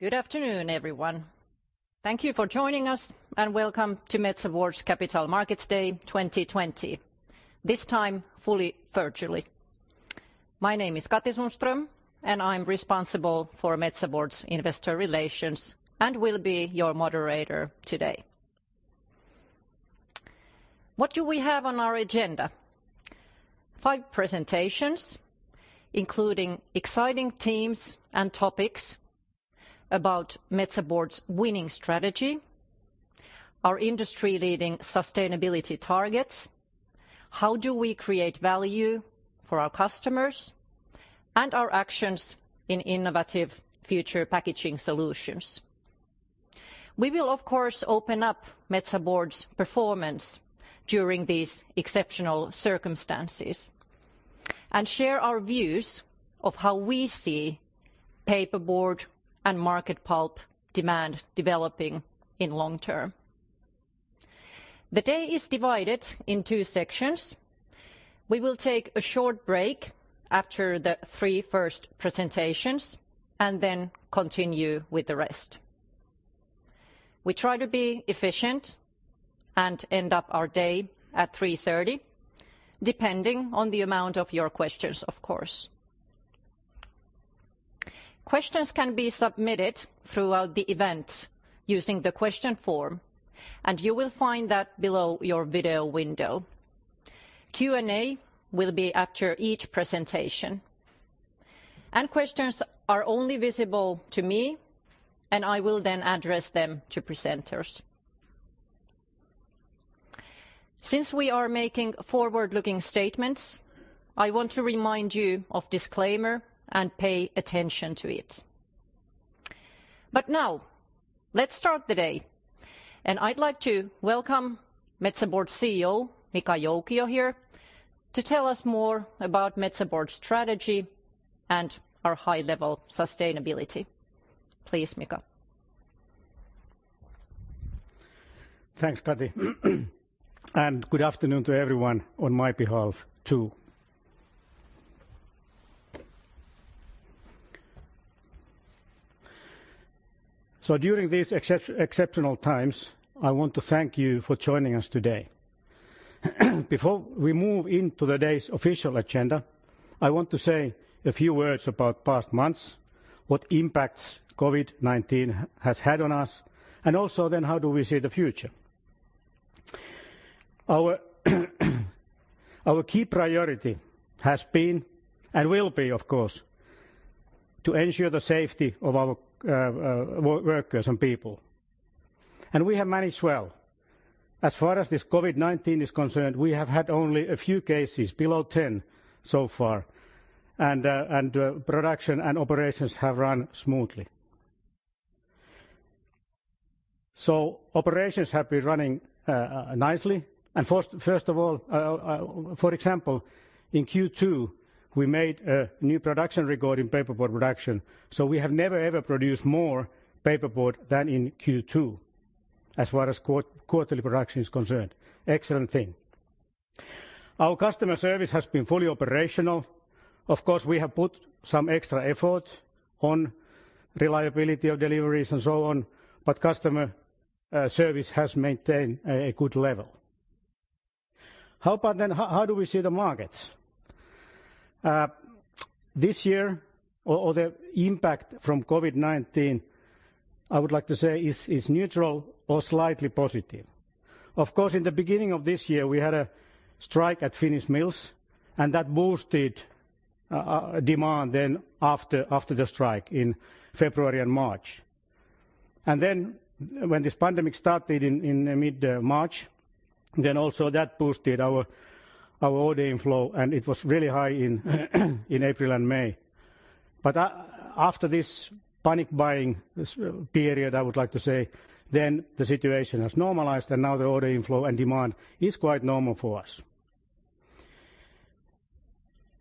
Good afternoon, everyone. Thank you for joining us, and welcome to Metsä Board's Capital Markets Day 2020, this time fully virtually. My name is Katri Sundström, and I'm responsible for Metsä Board's investor relations and will be your moderator today. What do we have on our agenda? Five presentations, including exciting themes and topics about Metsä Board's winning strategy, our industry-leading sustainability targets, how do we create value for our customers, and our actions in innovative future packaging solutions. We will, of course, open up Metsä Board's performance during these exceptional circumstances and share our views of how we see paperboard and market pulp demand developing in the long term. The day is divided in two sections. We will take a short break after the three first presentations and then continue with the rest. We try to be efficient and end up our day at 3:30 P.M., depending on the amount of your questions, of course. Questions can be submitted throughout the event using the question form, and you will find that below your video window. Q&A will be after each presentation, and questions are only visible to me, and I will then address them to presenters. Since we are making forward-looking statements, I want to remind you of the disclaimer and pay attention to it. But now, let's start the day, and I'd like to welcome Metsä Board CEO, Mika Joukio, here, to tell us more about Metsä Board's strategy and our high-level sustainability. Please, Mika. Thanks, Katri, and good afternoon to everyone on my behalf too. So during these exceptional times, I want to thank you for joining us today. Before we move into the day's official agenda, I want to say a few words about past months, what impacts COVID-19 has had on us, and also then how do we see the future. Our key priority has been and will be, of course, to ensure the safety of our workers and people, and we have managed well. As far as this COVID-19 is concerned, we have had only a few cases, below 10 so far, and production and operations have run smoothly. So operations have been running nicely. And first of all, for example, in Q2, we made a new production record in paperboard production, so we have never, ever produced more paperboard than in Q2, as far as quarterly production is concerned. Excellent thing. Our customer service has been fully operational. Of course, we have put some extra effort on reliability of deliveries and so on, but customer service has maintained a good level. How about then, how do we see the markets? This year, or the impact from COVID-19, I would like to say is neutral or slightly positive. Of course, in the beginning of this year, we had a strike at Finnish mills, and that boosted demand then after the strike in February and March, and then when this pandemic started in mid-March, then also that boosted our order inflow, and it was really high in April and May, but after this panic buying period, I would like to say, then the situation has normalized, and now the order inflow and demand is quite normal for us.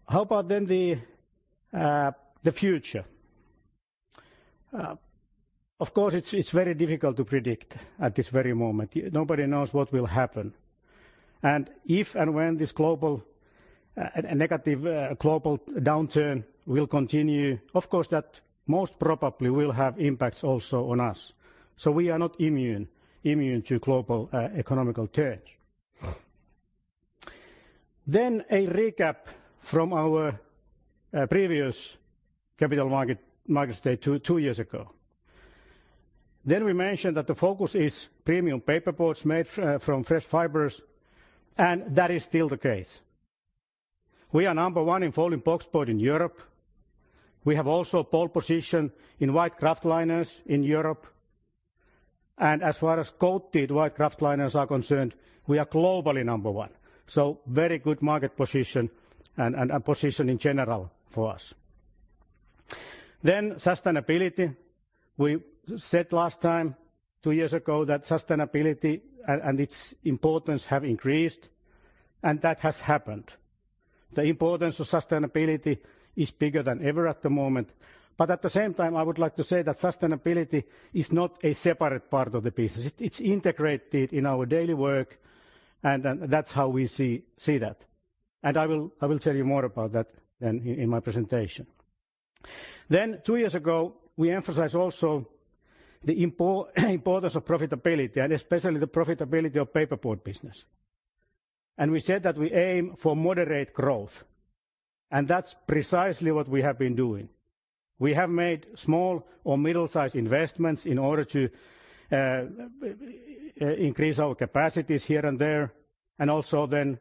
How about then the future? Of course, it's very difficult to predict at this very moment. Nobody knows what will happen and if and when this global negative global downturn will continue. Of course, that most probably will have impacts also on us, so we are not immune to global economic change. Then, a recap from our previous Capital Markets Day two years ago. We mentioned that the focus is premium paperboards made from fresh fibers, and that is still the case. We are number one in folding boxboard in Europe. We have also pole position in white kraft liners in Europe, and as far as coated white kraft liners are concerned, we are globally number one, so very good market position and position in general for us, then sustainability. We said last time, two years ago, that sustainability and its importance have increased, and that has happened. The importance of sustainability is bigger than ever at the moment. But at the same time, I would like to say that sustainability is not a separate part of the business. It's integrated in our daily work, and that's how we see that. And I will tell you more about that in my presentation. Then two years ago, we emphasized also the importance of profitability, and especially the profitability of the paperboard business. And we said that we aim for moderate growth, and that's precisely what we have been doing. We have made small or middle-sized investments in order to increase our capacities here and there, and also then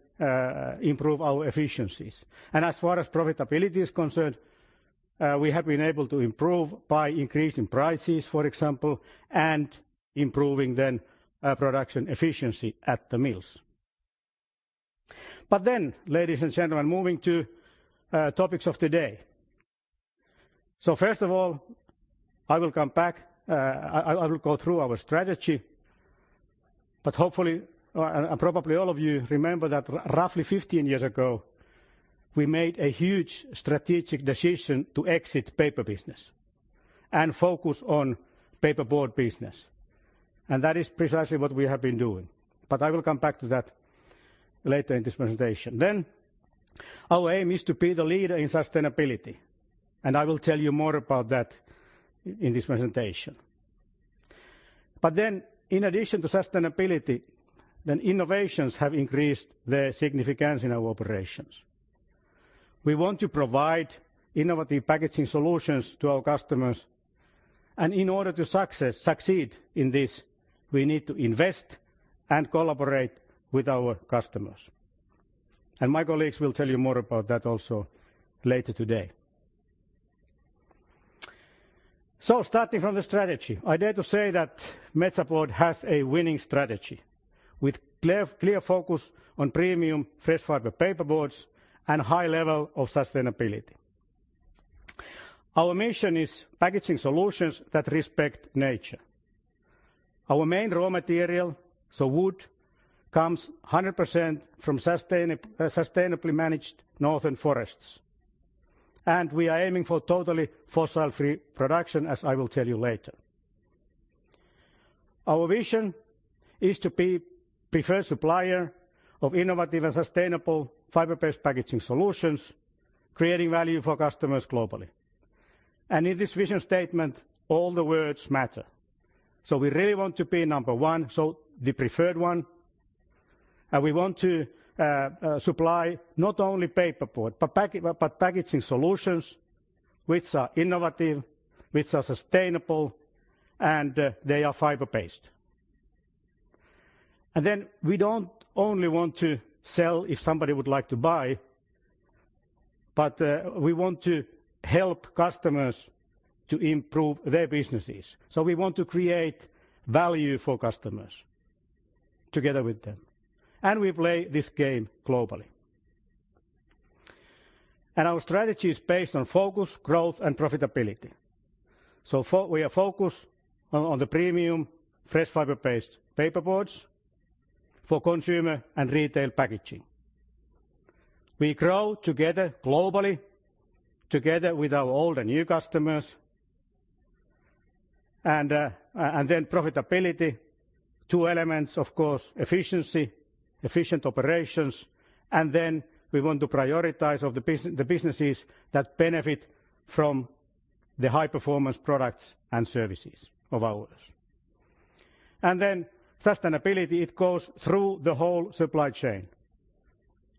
improve our efficiencies. And as far as profitability is concerned, we have been able to improve by increasing prices, for example, and improving then production efficiency at the mills. But then, ladies and gentlemen, moving to topics of the day. So first of all, I will come back, I will go through our strategy, but hopefully, and probably all of you remember that roughly 15 years ago, we made a huge strategic decision to exit paper business and focus on paperboard business. And that is precisely what we have been doing. But I will come back to that later in this presentation. Then our aim is to be the leader in sustainability, and I will tell you more about that in this presentation. But then, in addition to sustainability, then innovations have increased their significance in our operations. We want to provide innovative packaging solutions to our customers, and in order to succeed in this, we need to invest and collaborate with our customers. And my colleagues will tell you more about that also later today. So starting from the strategy, I dare to say that Metsä Board has a winning strategy with a clear focus on premium fresh fiber paperboards and a high level of sustainability. Our mission is packaging solutions that respect nature. Our main raw material, so wood, comes 100% from sustainably managed northern forests, and we are aiming for totally fossil-free production, as I will tell you later. Our vision is to be the first supplier of innovative and sustainable fiber-based packaging solutions, creating value for customers globally. And in this vision statement, all the words matter. So we really want to be number one, so the preferred one, and we want to supply not only paperboard, but packaging solutions which are innovative, which are sustainable, and they are fiber-based. And then we don't only want to sell if somebody would like to buy, but we want to help customers to improve their businesses. So we want to create value for customers together with them. And we play this game globally. And our strategy is based on focus, growth, and profitability. So we are focused on the premium fresh fiber-based paperboards for consumer and retail packaging. We grow together globally, together with our old and new customers, and then profitability, two elements, of course, efficiency, efficient operations, and then we want to prioritize the businesses that benefit from the high-performance products and services of ours. And then sustainability, it goes through the whole supply chain.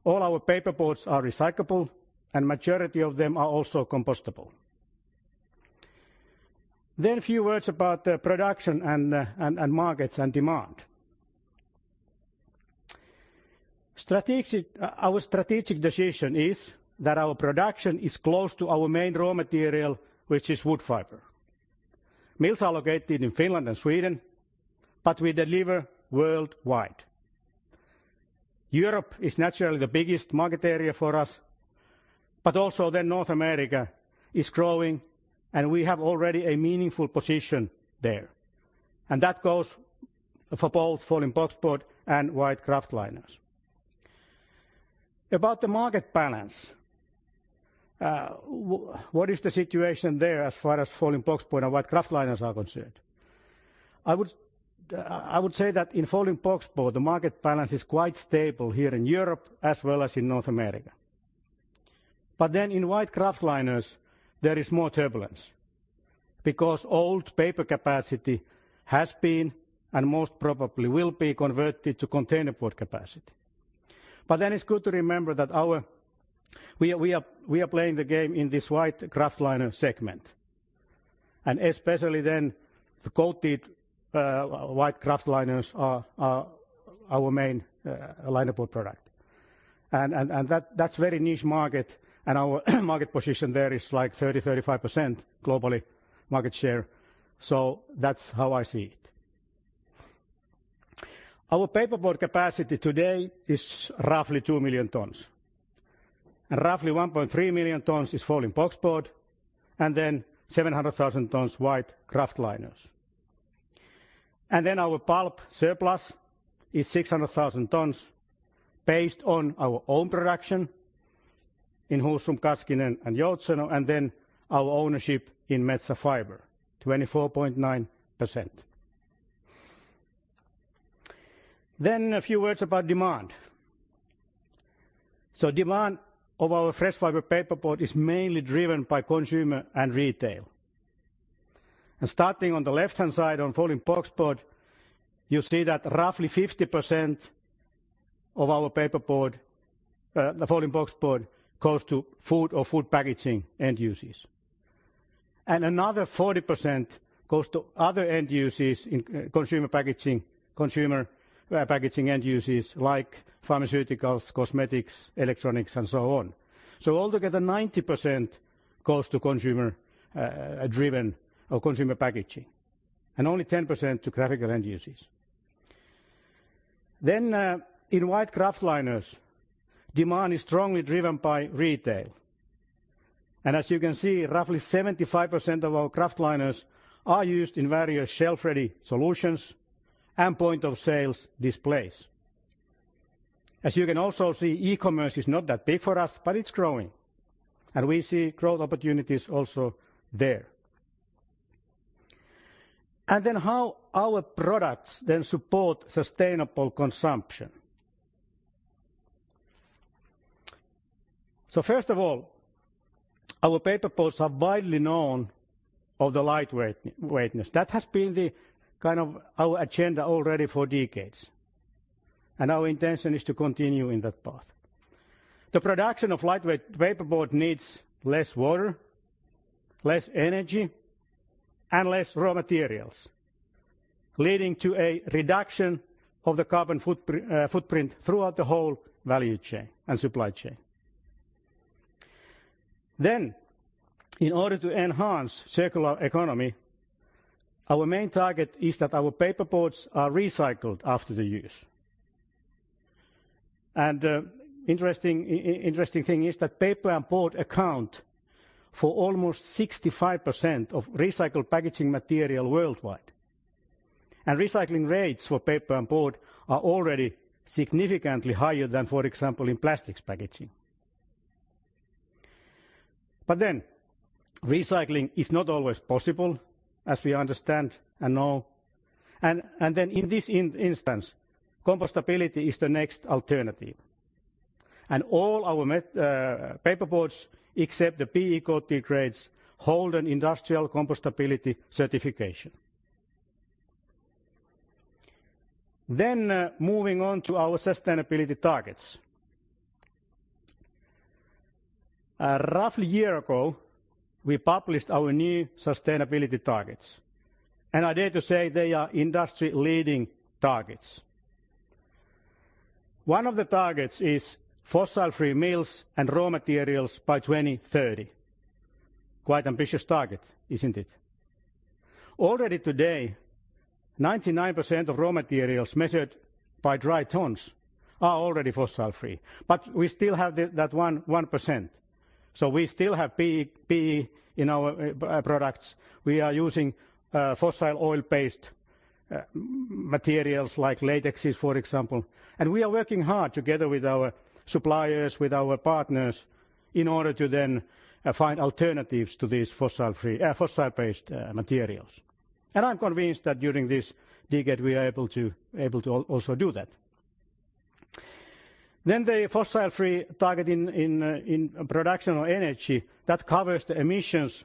All our paperboards are recyclable, and the majority of them are also compostable. Then a few words about production and markets and demand. Our strategic decision is that our production is close to our main raw material, which is wood fiber. Mills are located in Finland and Sweden, but we deliver worldwide. Europe is naturally the biggest market area for us, but also then North America is growing, and we have already a meaningful position there. And that goes for both folding boxboard and white kraft liners. About the market balance, what is the situation there as far as folding boxboard and white kraft liners are concerned? I would say that in folding boxboard, the market balance is quite stable here in Europe as well as in North America. But then in white kraft liners, there is more turbulence because old paper capacity has been and most probably will be converted to containerboard capacity. But then it's good to remember that we are playing the game in this white kraft liner segment, and especially then the coated white kraft liners are our main liner product. And that's a very niche market, and our market position there is like 30%-35% global market share. So that's how I see it. Our paperboard capacity today is roughly 2 million tons, and roughly 1.3 million tons is folding boxboard, and then 700,000 tons white kraft liners. And then our pulp surplus is 600,000 tons based on our own production in Husum, Kaskinen and Joutseno, and then our ownership in Metsä Fibre, 24.9%. Then a few words about demand. So demand of our fresh fiber paperboard is mainly driven by consumer and retail. Starting on the left-hand side on folding boxboard, you see that roughly 50% of our paperboard, the folding boxboard, goes to food or food packaging end uses. Another 40% goes to other end uses in consumer packaging, consumer packaging end uses like pharmaceuticals, cosmetics, electronics, and so on. Altogether, 90% goes to consumer-driven or consumer packaging, and only 10% to graphical end uses. In white kraft liners, demand is strongly driven by retail. As you can see, roughly 75% of our kraft liners are used in various shelf-ready solutions and point-of-sale displays. As you can also see, e-commerce is not that big for us, but it's growing, and we see growth opportunities also there. How our products then support sustainable consumption. First of all, our paperboards are widely known for the lightweightness. That has been the kind of our agenda already for decades, and our intention is to continue in that path. The production of lightweight paperboard needs less water, less energy, and less raw materials, leading to a reduction of the carbon footprint throughout the whole value chain and supply chain, then in order to enhance circular economy, our main target is that our paperboards are recycled after the use, and the interesting thing is that paper and board account for almost 65% of recycled packaging material worldwide, and recycling rates for paper and board are already significantly higher than, for example, in plastics packaging, but then recycling is not always possible, as we understand and know, and then in this instance, compostability is the next alternative, and all our paperboards, except the PE coated grades, hold an industrial compostability certification, then moving on to our sustainability targets. Roughly a year ago, we published our new sustainability targets, and I dare to say they are industry-leading targets. One of the targets is fossil-free mills and raw materials by 2030. Quite ambitious target, isn't it? Already today, 99% of raw materials measured by dry tons are already fossil-free, but we still have that 1%, so we still have PE in our products. We are using fossil oil-based materials like latexes, for example, and we are working hard together with our suppliers, with our partners, in order to then find alternatives to these fossil-based materials, and I'm convinced that during this decade, we are able to also do that, then the fossil-free target in production of energy, that covers the emissions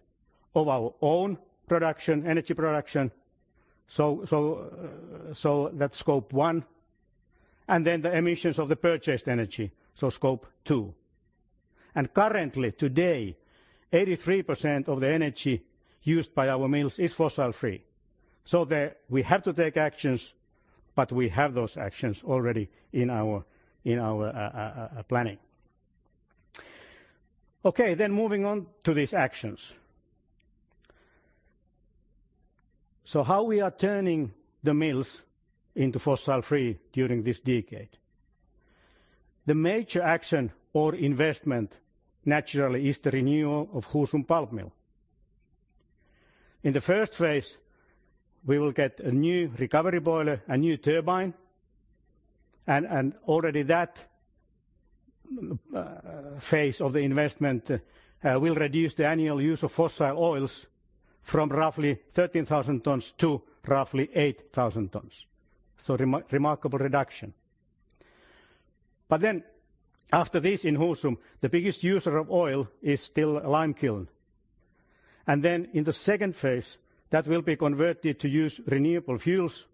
of our own production, energy production, so that's Scope 1, and then the emissions of the purchased energy, so Scope 2. Currently, today, 83% of the energy used by our mills is fossil-free. We have to take actions, but we have those actions already in our planning. Okay, then moving on to these actions. How we are turning the mills into fossil-free during this decade? The major action or investment naturally is the renewal of Husum Pulp Mill. In the first phase, we will get a new recovery boiler, a new turbine, and already that phase of the investment will reduce the annual use of fossil oils from roughly 13,000 tons to roughly 8,000 tons. So remarkable reduction. But then after this, in Husum, the biggest user of oil is still lime kiln. And then in the second phase, that will be converted to use renewable fuels.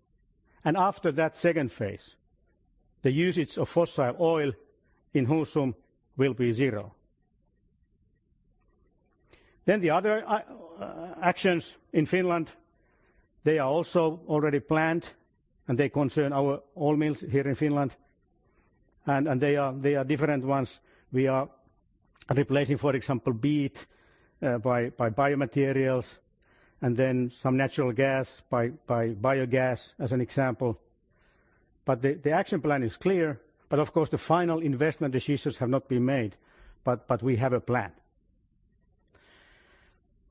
And after that second phase, the usage of fossil oil in Husum will be zero. Then, the other actions in Finland are also already planned, and they concern our all mills here in Finland. And they are different ones. We are replacing, for example, peat by biomaterials, and then some natural gas by biogas as an example. But the action plan is clear, but of course, the final investment decisions have not been made, but we have a plan.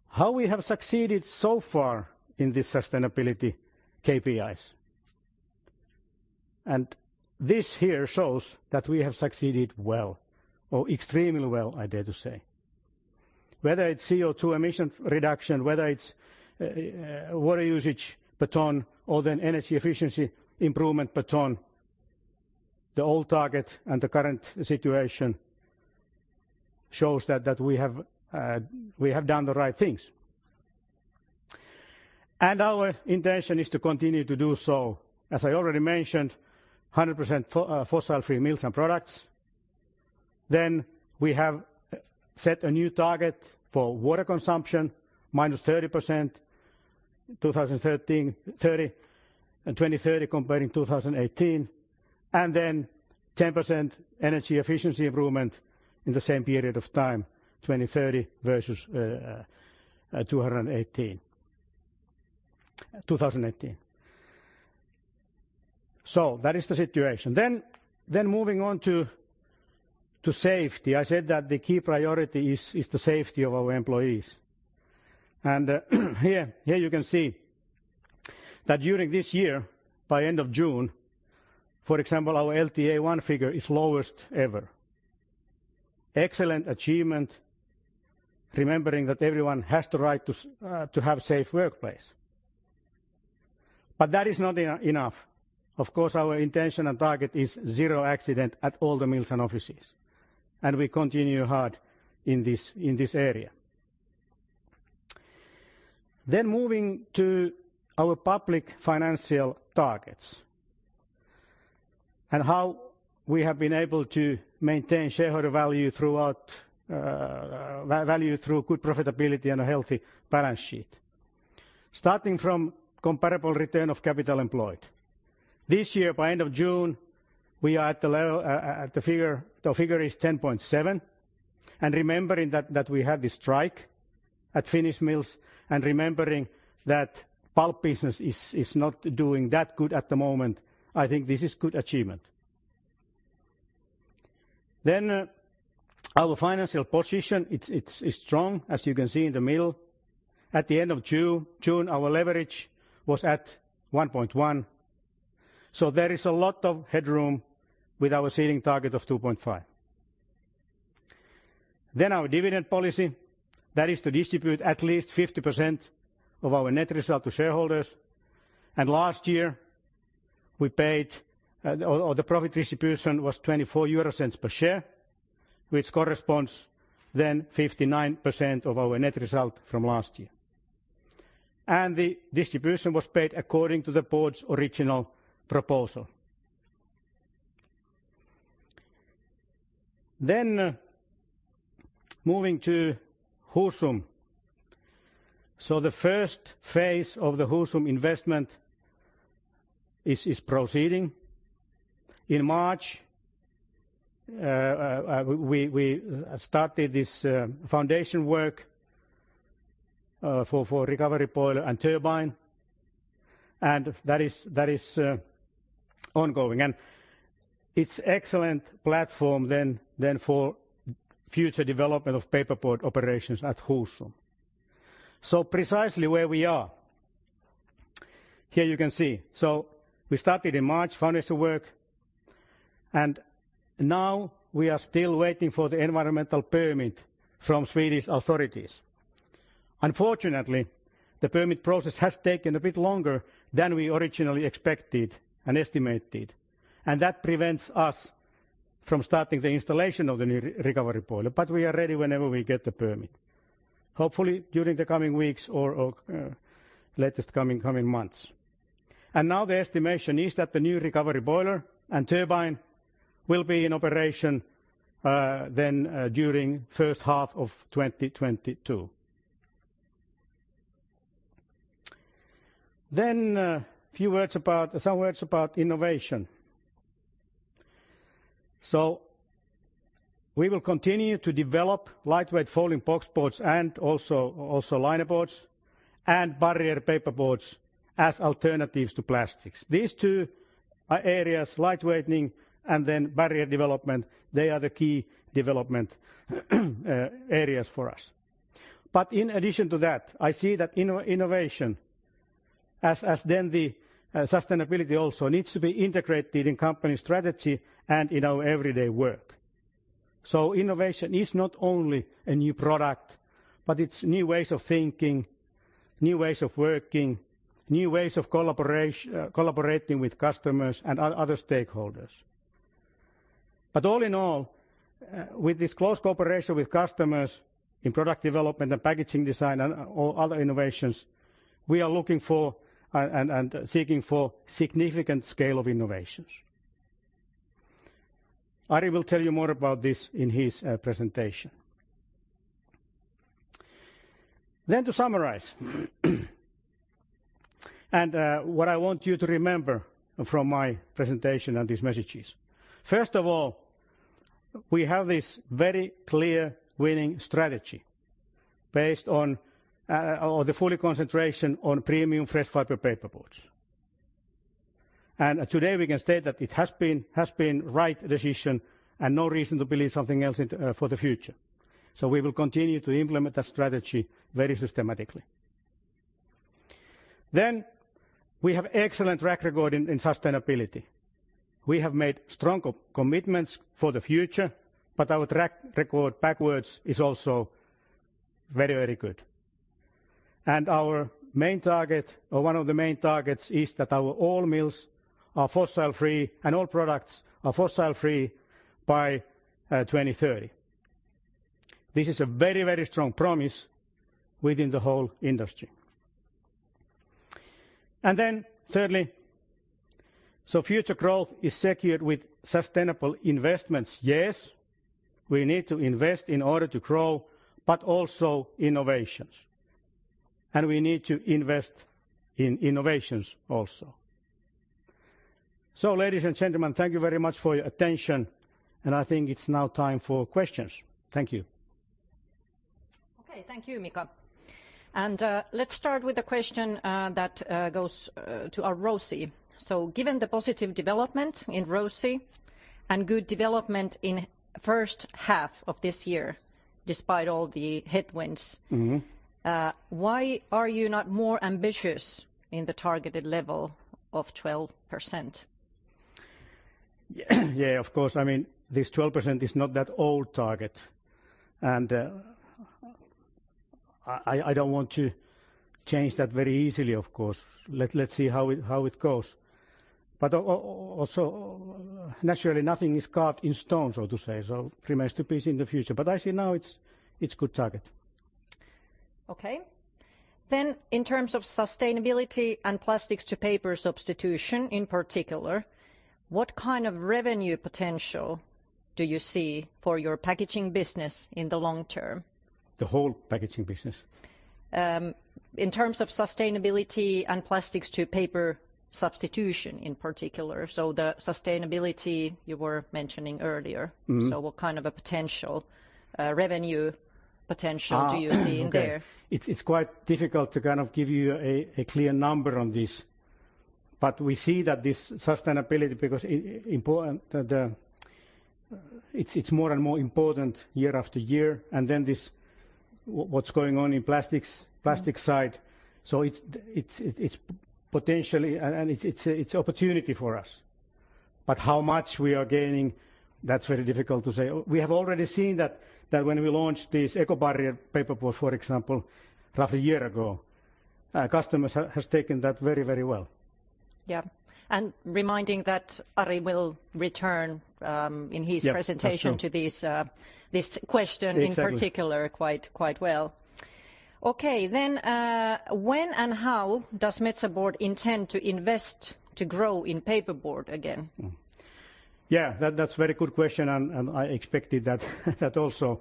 How have we succeeded so far in this sustainability KPIs? And this here shows that we have succeeded well, or extremely well, I dare to say. Whether it's CO2 emission reduction, whether it's water usage per ton, or then energy efficiency improvement per ton, the old target and the current situation shows that we have done the right things. And our intention is to continue to do so. As I already mentioned, 100% fossil-free mills and products. We have set a new target for water consumption, -30% by 2030 compared to 2018, and then 10% energy efficiency improvement in the same period of time, 2030 versus 2018. That is the situation. Moving on to safety, I said that the key priority is the safety of our employees. Here you can see that during this year, by end of June, for example, our LTA1 figure is lowest ever. Excellent achievement, remembering that everyone has the right to have a safe workplace. That is not enough. Of course, our intention and target is zero accident at all the mills and offices, and we continue hard in this area. Moving to our public financial targets and how we have been able to maintain shareholder value through good profitability and a healthy balance sheet. Starting from comparable return of capital employed. This year, by end of June, we are at the figure is 10.7, and remembering that we had the strike at Finnish mills and remembering that pulp business is not doing that good at the moment, I think this is good achievement. Then our financial position is strong, as you can see in the middle. At the end of June, our leverage was at 1.1. So there is a lot of headroom with our ceiling target of 2.5. Then our dividend policy, that is to distribute at least 50% of our net result to shareholders. And last year, we paid or the profit distribution was 0.24 per share, which corresponds then 59% of our net result from last year. And the distribution was paid according to the Board's original proposal. Then moving to Husum. So the first phase of the Husum investment is proceeding. In March, we started this foundation work for recovery boiler and turbine, and that is ongoing. It's an excellent platform then for future development of paperboard operations at Husum. Precisely where we are, here you can see. We started in March foundation work, and now we are still waiting for the environmental permit from Swedish authorities. Unfortunately, the permit process has taken a bit longer than we originally expected and estimated, and that prevents us from starting the installation of the new recovery boiler, but we are ready whenever we get the permit. Hopefully during the coming weeks or latest coming months. Now the estimation is that the new recovery boiler and turbine will be in operation then during the first half of 2022. Then a few words about innovation. So we will continue to develop lightweight folding boxboards and also linerboards and barrier paperboards as alternatives to plastics. These two areas, lightweighting and then barrier development, they are the key development areas for us. But in addition to that, I see that innovation, and then the sustainability also needs to be integrated in company strategy and in our everyday work. So innovation is not only a new product, but it's new ways of thinking, new ways of working, new ways of collaborating with customers and other stakeholders. But all in all, with this close cooperation with customers in product development and packaging design and all other innovations, we are looking for and seeking for significant scale of innovations. Ari will tell you more about this in his presentation. Then to summarize, and what I want you to remember from my presentation and these messages. First of all, we have this very clear winning strategy based on the full concentration on premium fresh fiber paperboards. Today we can state that it has been the right decision and no reason to believe something else for the future. We will continue to implement that strategy very systematically. We have an excellent track record in sustainability. We have made strong commitments for the future, but our track record backwards is also very, very good. Our main target, or one of the main targets, is that all our mills are fossil-free and all products are fossil-free by 2030. This is a very, very strong promise within the whole industry. Future growth is secured with sustainable investments. Yes, we need to invest in order to grow, but also innovations. We need to invest in innovations also. So ladies and gentlemen, thank you very much for your attention, and I think it's now time for questions. Thank you. Okay, thank you, Mika. And let's start with a question that goes to our ROCE. So given the positive development in ROCE and good development in the first half of this year, despite all the headwinds, why are you not more ambitious in the targeted level of 12%? Yeah, of course. I mean, this 12% is not that old target, and I don't want to change that very easily, of course. Let's see how it goes. But also, naturally, nothing is carved in stone, so to say, so it remains to be seen in the future. But I see now it's a good target. Okay. Then in terms of sustainability and plastics to paper substitution in particular, what kind of revenue potential do you see for your packaging business in the long term? The whole packaging business? In terms of sustainability and plastics to paper substitution in particular, so the sustainability you were mentioning earlier. So what kind of a potential revenue potential do you see in there? It's quite difficult to kind of give you a clear number on this, but we see that this sustainability, because it's more and more important year after year, and then what's going on in the plastics side. So it's potentially, and it's an opportunity for us. But how much we are gaining, that's very difficult to say. We have already seen that when we launched this eco-barrier paperboard, for example, roughly a year ago, customers have taken that very, very well. Yeah, and reminding that Ari will return in his presentation to this question in particular quite well. Okay, then when and how does Metsä Board intend to invest to grow in paperboard again? Yeah, that's a very good question, and I expected that also.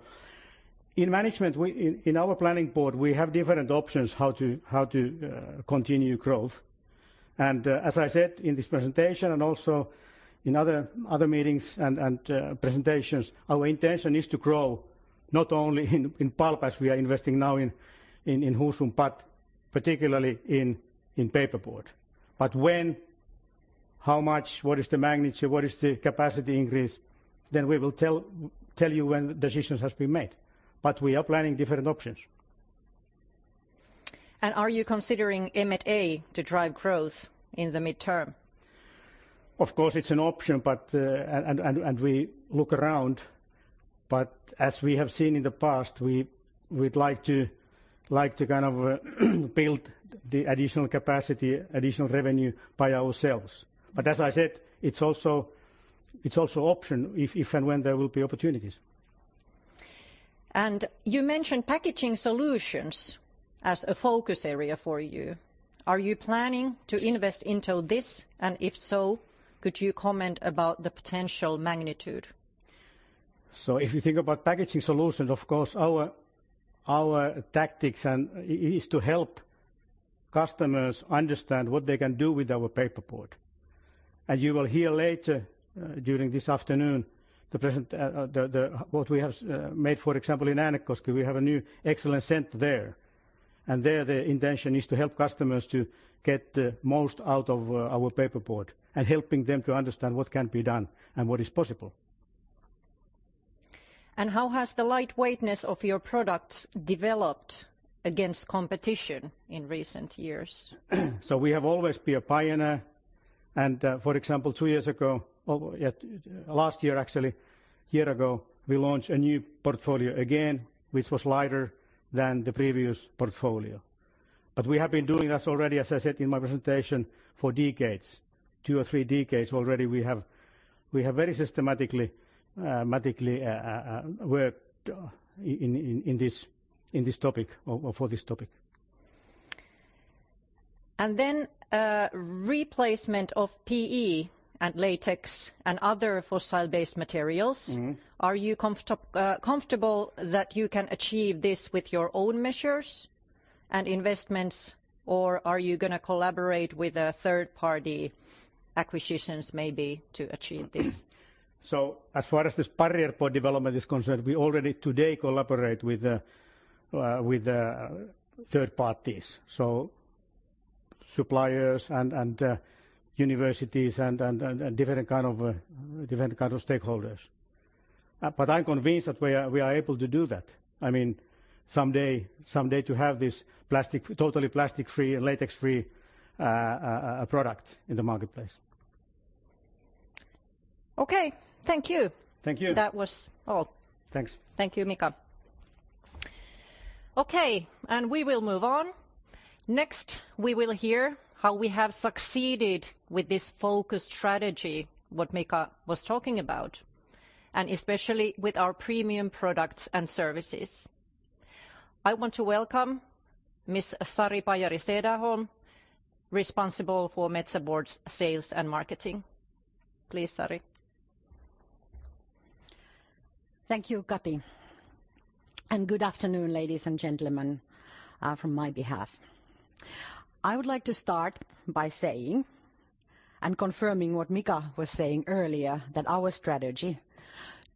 In management, in our planning board, we have different options how to continue growth. And as I said in this presentation and also in other meetings and presentations, our intention is to grow not only in pulp as we are investing now in Husum, but particularly in paperboard. But when, how much, what is the magnitude, what is the capacity increase, then we will tell you when decisions have been made. But we are planning different options. Are you considering M&A to drive growth in the midterm? Of course, it's an option, and we look around, but as we have seen in the past, we'd like to kind of build the additional capacity, additional revenue by ourselves. But as I said, it's also an option if and when there will be opportunities. You mentioned packaging solutions as a focus area for you. Are you planning to invest into this, and if so, could you comment about the potential magnitude? So if you think about packaging solutions, of course, our tactics is to help customers understand what they can do with our paperboard. And you will hear later during this afternoon what we have made, for example, in Äänekoski. We have a new Excellence Centre there. And there, the intention is to help customers to get the most out of our paperboard and helping them to understand what can be done and what is possible. How has the lightweightness of your products developed against competition in recent years? So we have always been a pioneer, and for example, two years ago, last year actually, a year ago, we launched a new portfolio again, which was lighter than the previous portfolio. But we have been doing this already, as I said in my presentation, for decades, two or three decades already. We have very systematically worked in this topic or for this topic. And then replacement of PE and latex and other fossil-based materials. Are you comfortable that you can achieve this with your own measures and investments, or are you going to collaborate with a third-party acquisitions maybe to achieve this? So as far as this barrier board development is concerned, we already today collaborate with third parties, so suppliers and universities and different kinds of stakeholders. But I'm convinced that we are able to do that. I mean, someday to have this totally plastic-free and latex-free product in the marketplace. Okay, thank you. Thank you. That was all. Thanks. Thank you, Mika. Okay, and we will move on. Next, we will hear how we have succeeded with this focused strategy, what Mika was talking about, and especially with our premium products and services. I want to welcome Ms. Sari Pajari-Sederholm, responsible for Metsä Board's sales and marketing. Please, Sari. Thank you, Katri, and good afternoon, ladies and gentlemen, from my behalf. I would like to start by saying and confirming what Mika was saying earlier, that our strategy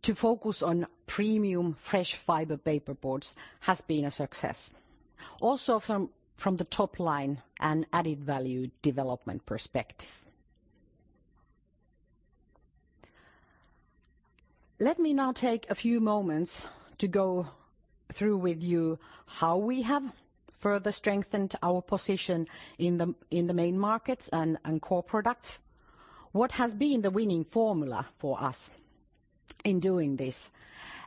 to focus on premium fresh fiber paperboards has been a success, also from the top line and added value development perspective. Let me now take a few moments to go through with you how we have further strengthened our position in the main markets and core products, what has been the winning formula for us in doing this,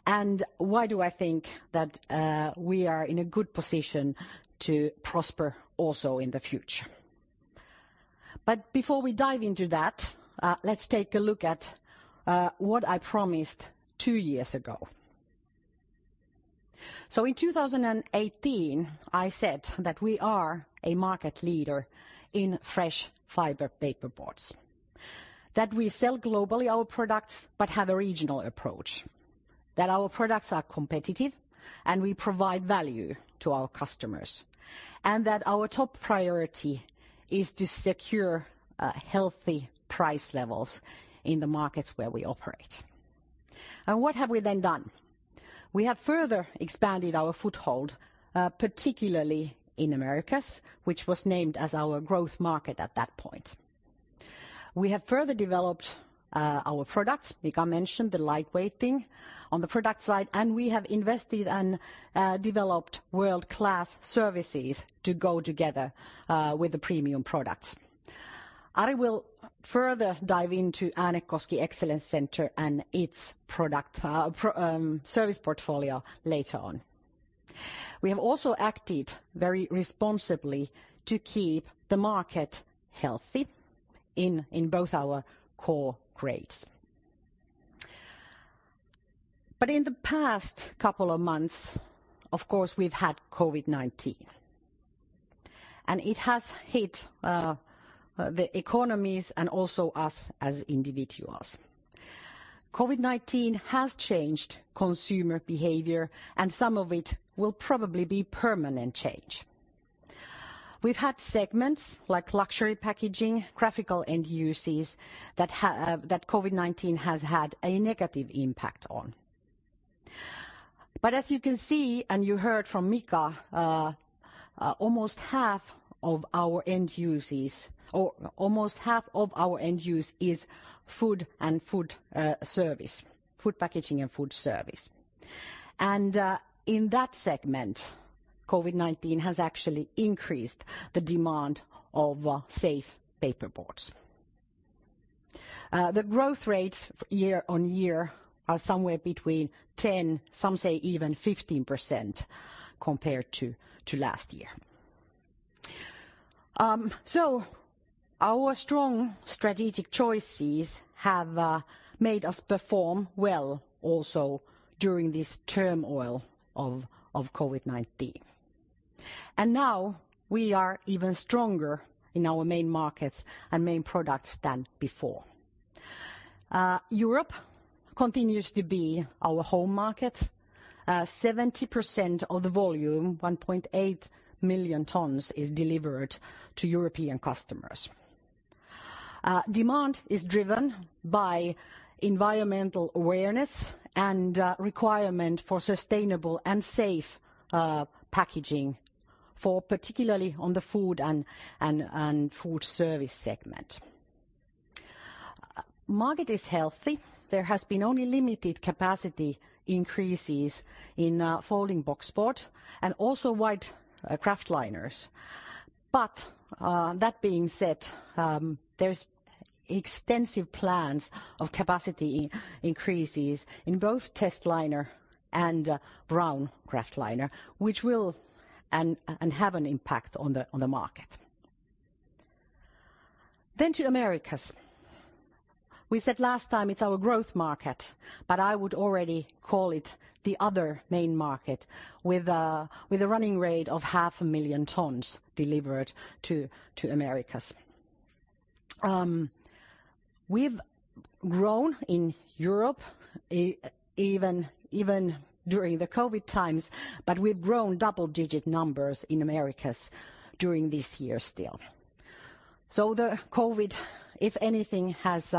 and why do I think that we are in a good position to prosper also in the future, but before we dive into that, let's take a look at what I promised two years ago. In 2018, I said that we are a market leader in fresh fiber paperboards, that we sell globally our products, but have a regional approach, that our products are competitive and we provide value to our customers, and that our top priority is to secure healthy price levels in the markets where we operate. What have we then done? We have further expanded our foothold, particularly in Americas, which was named as our growth market at that point. We have further developed our products, Mika mentioned, the lightweight thing on the product side, and we have invested and developed world-class services to go together with the premium products. Ari will further dive into Äänekoski Excellence Centre and its product service portfolio later on. We have also acted very responsibly to keep the market healthy in both our core grades. But in the past couple of months, of course, we've had COVID-19, and it has hit the economies and also us as individuals. COVID-19 has changed consumer behavior, and some of it will probably be permanent change. We've had segments like luxury packaging, graphical end uses that COVID-19 has had a negative impact on. But as you can see and you heard from Mika, almost half of our end uses, or almost half of our end use is food and food service, food packaging and food service. And in that segment, COVID-19 has actually increased the demand of safe paperboards. The growth rates year on year are somewhere between 10%, some say even 15% compared to last year. So our strong strategic choices have made us perform well also during this turmoil of COVID-19. And now we are even stronger in our main markets and main products than before. Europe continues to be our home market. 70% of the volume, 1.8 million tons, is delivered to European customers. Demand is driven by environmental awareness and requirement for sustainable and safe packaging, particularly on the food and food service segment. Market is healthy. There has been only limited capacity increases in folding boxboard and also white kraft liners. But that being said, there are extensive plans of capacity increases in both testliner and brown kraft liner, which will have an impact on the market. Then to Americas. We said last time it's our growth market, but I would already call it the other main market with a running rate of 500,000 tons delivered to Americas. We've grown in Europe even during the COVID times, but we've grown double-digit numbers in Americas during this year still. So the COVID, if anything, has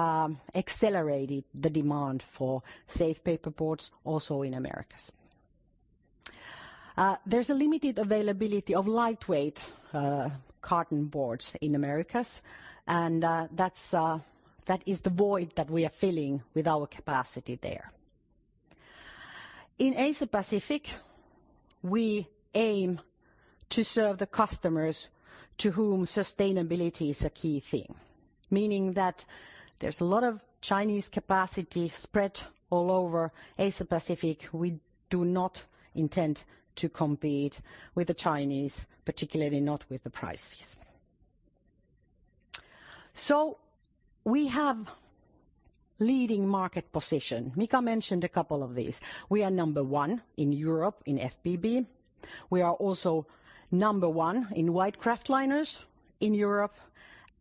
accelerated the demand for safe paperboards also in Americas. There's a limited availability of lightweight cartonboards in Americas, and that is the void that we are filling with our capacity there. In Asia Pacific, we aim to serve the customers to whom sustainability is a key thing, meaning that there's a lot of Chinese capacity spread all over Asia Pacific. We do not intend to compete with the Chinese, particularly not with the prices. So we have a leading market position. Mika mentioned a couple of these. We are number one in Europe in FBB. We are also number one in white kraft liners in Europe.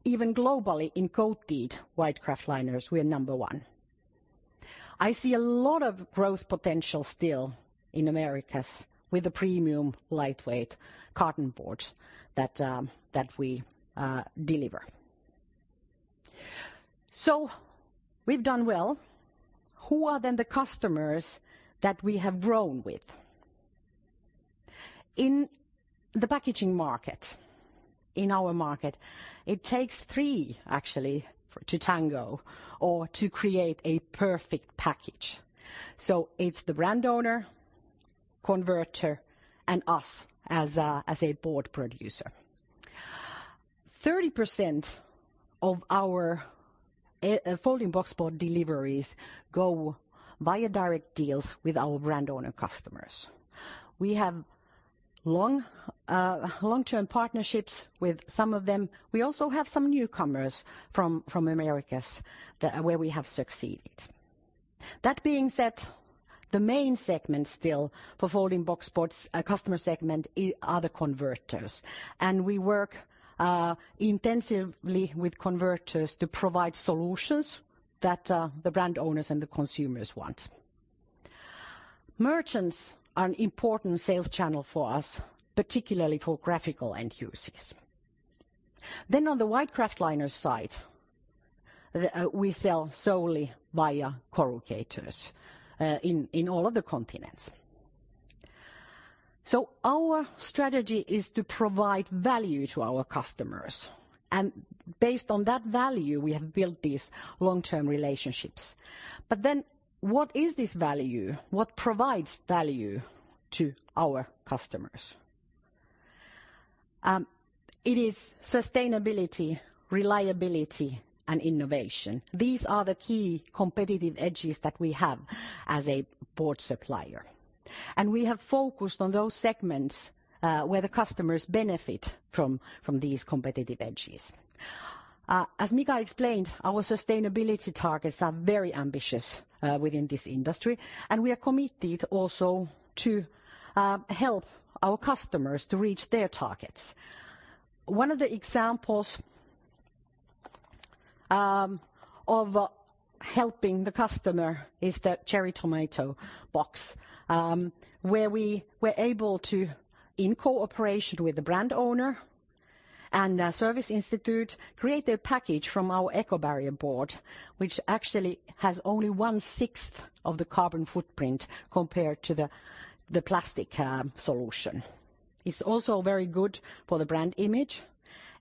Even globally in coated white kraft liners, we are number one. I see a lot of growth potential still in Americas with the premium lightweight cartonboards that we deliver. So we've done well. Who are then the customers that we have grown with? In the packaging market, in our market, it takes three actually to tango or to create a perfect package. So it's the brand owner, converter, and us as a board producer. 30% of our folding boxboard deliveries go via direct deals with our brand owner customers. We have long-term partnerships with some of them. We also have some newcomers from Americas where we have succeeded. That being said, the main segment still for folding boxboard customer segment are the converters. And we work intensively with converters to provide solutions that the brand owners and the consumers want. Merchants are an important sales channel for us, particularly for graphical end uses. Then on the white kraft liner side, we sell solely via corrugators in all of the continents. So our strategy is to provide value to our customers. Based on that value, we have built these long-term relationships. But then what is this value? What provides value to our customers? It is sustainability, reliability, and innovation. These are the key competitive edges that we have as a board supplier. We have focused on those segments where the customers benefit from these competitive edges. As Mika explained, our sustainability targets are very ambitious within this industry, and we are committed also to help our customers to reach their targets. One of the examples of helping the customer is the cherry tomato box, where we were able to, in cooperation with the brand owner and service institute, create a package from our eco-barrier board, which actually has only one sixth of the carbon footprint compared to the plastic solution. It's also very good for the brand image.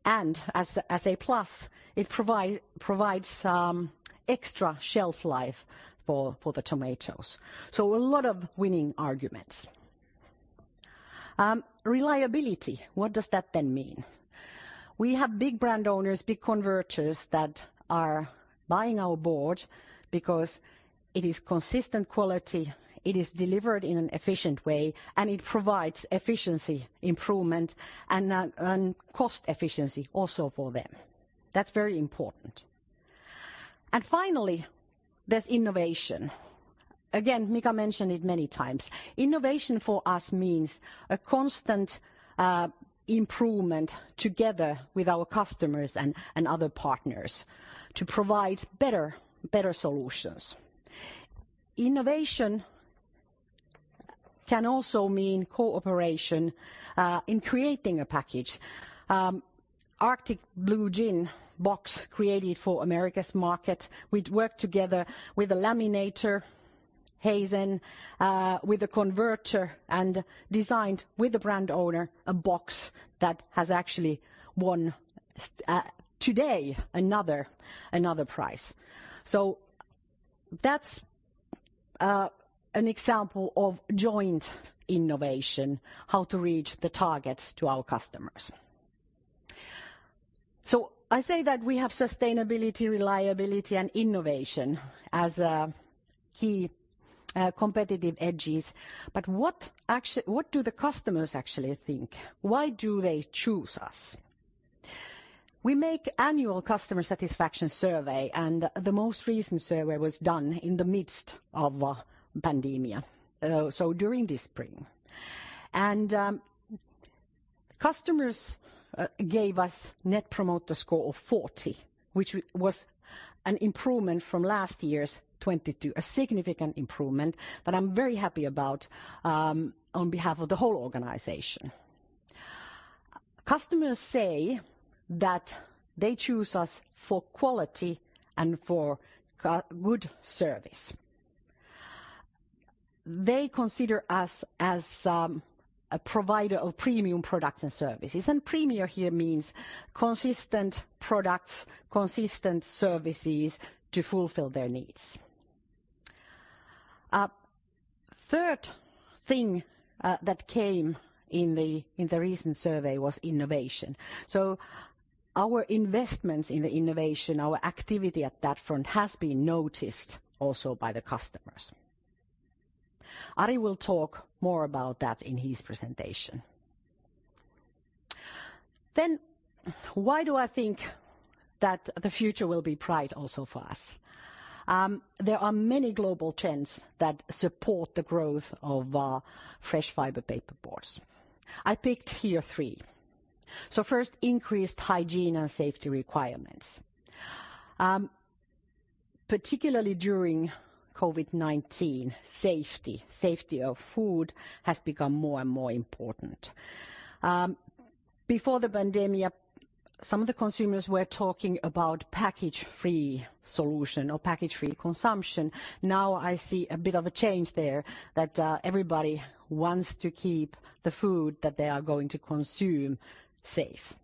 As a plus, it provides extra shelf life for the tomatoes. A lot of winning arguments. Reliability. What does that then mean? We have big brand owners, big converters that are buying our board because it is consistent quality, it is delivered in an efficient way, and it provides efficiency improvement and cost efficiency also for them. That's very important. Finally, there's innovation. Again, Mika mentioned it many times. Innovation for us means a constant improvement together with our customers and other partners to provide better solutions. Innovation can also mean cooperation in creating a package. Arctic Blue Gin box created for Americas market. We worked together with a laminator, Hazen, with a converter, and designed with the brand owner a box that has actually won today another prize. That's an example of joint innovation, how to reach the targets to our customers. So I say that we have sustainability, reliability, and innovation as key competitive edges. But what do the customers actually think? Why do they choose us? We make annual customer satisfaction survey, and the most recent survey was done in the midst of pandemic, so during this spring. And customers gave us Net Promoter Score of 40, which was an improvement from last year's 22, a significant improvement that I'm very happy about on behalf of the whole organization. Customers say that they choose us for quality and for good service. They consider us as a provider of premium products and services. And premium here means consistent products, consistent services to fulfill their needs. Third thing that came in the recent survey was innovation. So our investments in the innovation, our activity at that front has been noticed also by the customers. Ari will talk more about that in his presentation. Then why do I think that the future will be bright also for us? There are many global trends that support the growth of fresh fiber paperboards. I picked here three. So first, increased hygiene and safety requirements. Particularly during COVID-19, safety of food has become more and more important. Before the pandemic, some of the consumers were talking about package-free solution or package-free consumption. Now I see a bit of a change there that everybody wants to keep the food that they are going to consume safe.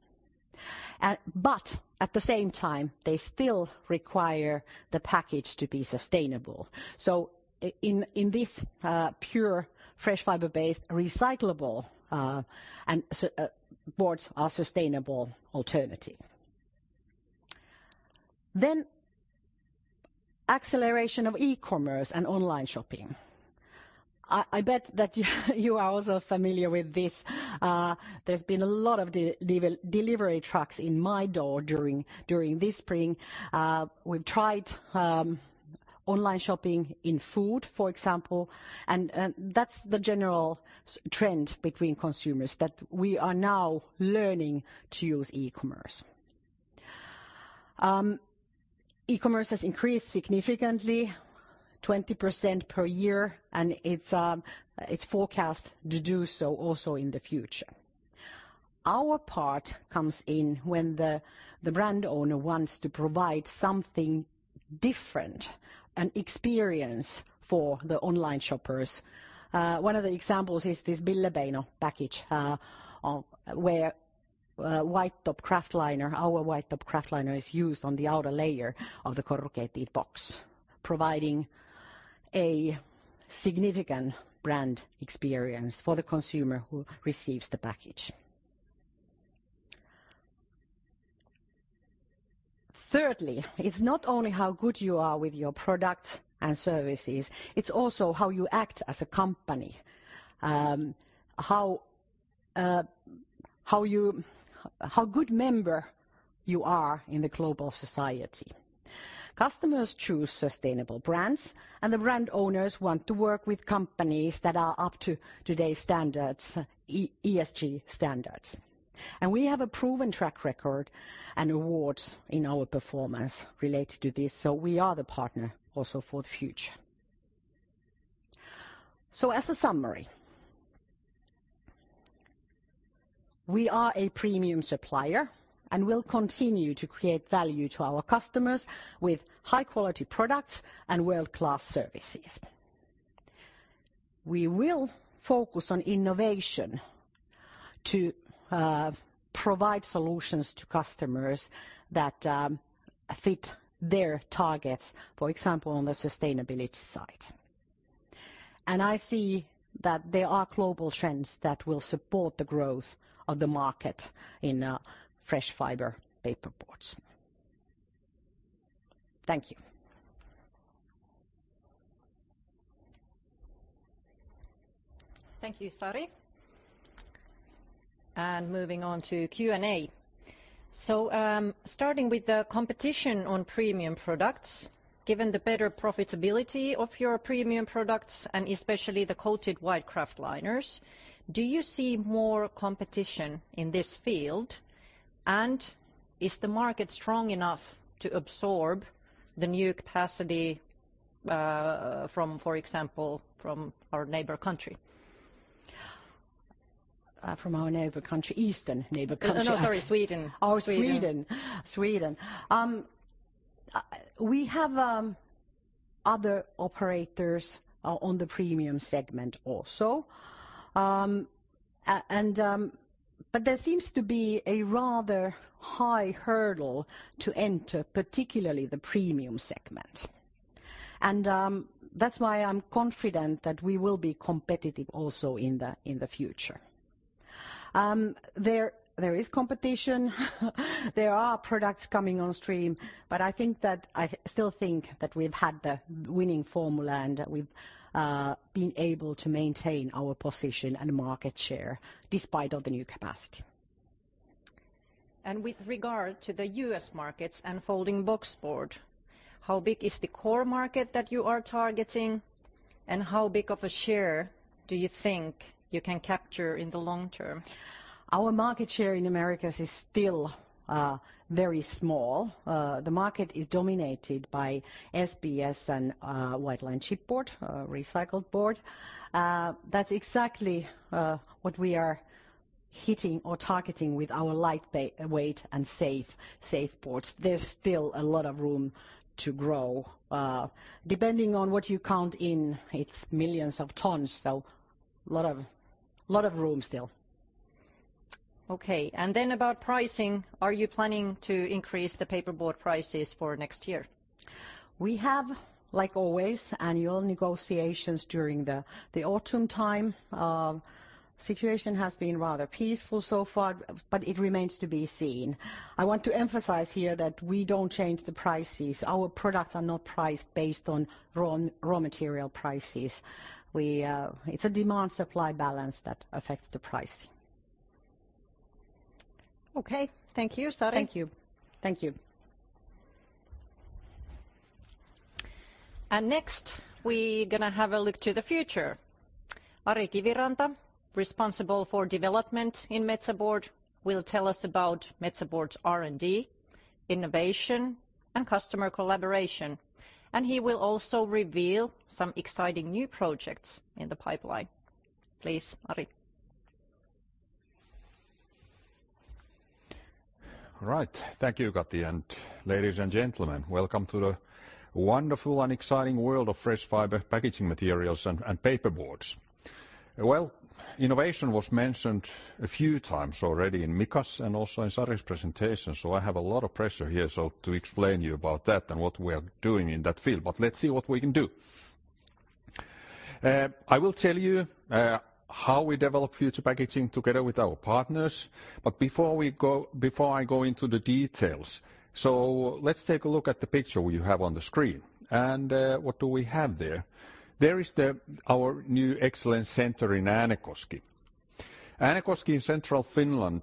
But at the same time, they still require the package to be sustainable. So in this pure fresh fiber-based recyclable boards are a sustainable alternative. Then acceleration of e-commerce and online shopping. I bet that you are also familiar with this. There's been a lot of delivery trucks in my door during this spring. We've tried online shopping in food, for example, and that's the general trend between consumers that we are now learning to use e-commerce. E-commerce has increased significantly, 20% per year, and it's forecast to do so also in the future. Our part comes in when the brand owner wants to provide something different, an experience for the online shoppers. One of the examples is this Billebeino package where white top kraft liner, our white top kraft liner, is used on the outer layer of the corrugated box, providing a significant brand experience for the consumer who receives the package. Thirdly, it's not only how good you are with your products and services, it's also how you act as a company, how good member you are in the global society. Customers choose sustainable brands, and the brand owners want to work with companies that are up to today's standards, ESG standards. And we have a proven track record and awards in our performance related to this, so we are the partner also for the future. So as a summary, we are a premium supplier and will continue to create value to our customers with high-quality products and world-class services. We will focus on innovation to provide solutions to customers that fit their targets, for example, on the sustainability side. And I see that there are global trends that will support the growth of the market in fresh fiber paperboards. Thank you. Thank you, Sari. And moving on to Q&A. So starting with the competition on premium products, given the better profitability of your premium products, and especially the coated white kraft liners, do you see more competition in this field? Is the market strong enough to absorb the new capacity from, for example, from our neighbor country? From our neighbor country, Eastern neighbor country. No, no, sorry, Sweden. Oh, Sweden. Sweden. We have other operators on the premium segment also. There seems to be a rather high hurdle to enter, particularly the premium segment. That's why I'm confident that we will be competitive also in the future. There is competition. There are products coming on stream. I still think that we've had the winning formula and we've been able to maintain our position and market share despite of the new capacity. With regard to the U.S. markets and folding boxboard, how big is the core market that you are targeting? How big of a share do you think you can capture in the long term? Our market share in Americas is still very small. The market is dominated by SBS and white lined chipboard, recycled board. That's exactly what we are hitting or targeting with our lightweight and safe boards. There's still a lot of room to grow. Depending on what you count in, it's millions of tons. So a lot of room still. Okay. And then about pricing, are you planning to increase the paperboard prices for next year? We have, like always, annual negotiations during the autumn time. Situation has been rather peaceful so far, but it remains to be seen. I want to emphasize here that we don't change the prices. Our products are not priced based on raw material prices. It's a demand-supply balance that affects the price. Okay. Thank you, Sari. Thank you. Thank you. And next, we're going to have a look to the future. Ari Kiviranta, responsible for development in Metsä Board, will tell us about Metsä Board's R&D, innovation, and customer collaboration. He will also reveal some exciting new projects in the pipeline. Please, Ari. All right. Thank you, Katri. Ladies and gentlemen, welcome to the wonderful and exciting world of fresh fiber packaging materials and paperboards. Innovation was mentioned a few times already in Mika's and also in Sari's presentation. I have a lot of pressure here to explain to you about that and what we are doing in that field. Let's see what we can do. I will tell you how we develop future packaging together with our partners. Before I go into the details, so let's take a look at the picture we have on the screen. What do we have there? There is our new Excellence Centre in Äänekoski. Äänekoski in central Finland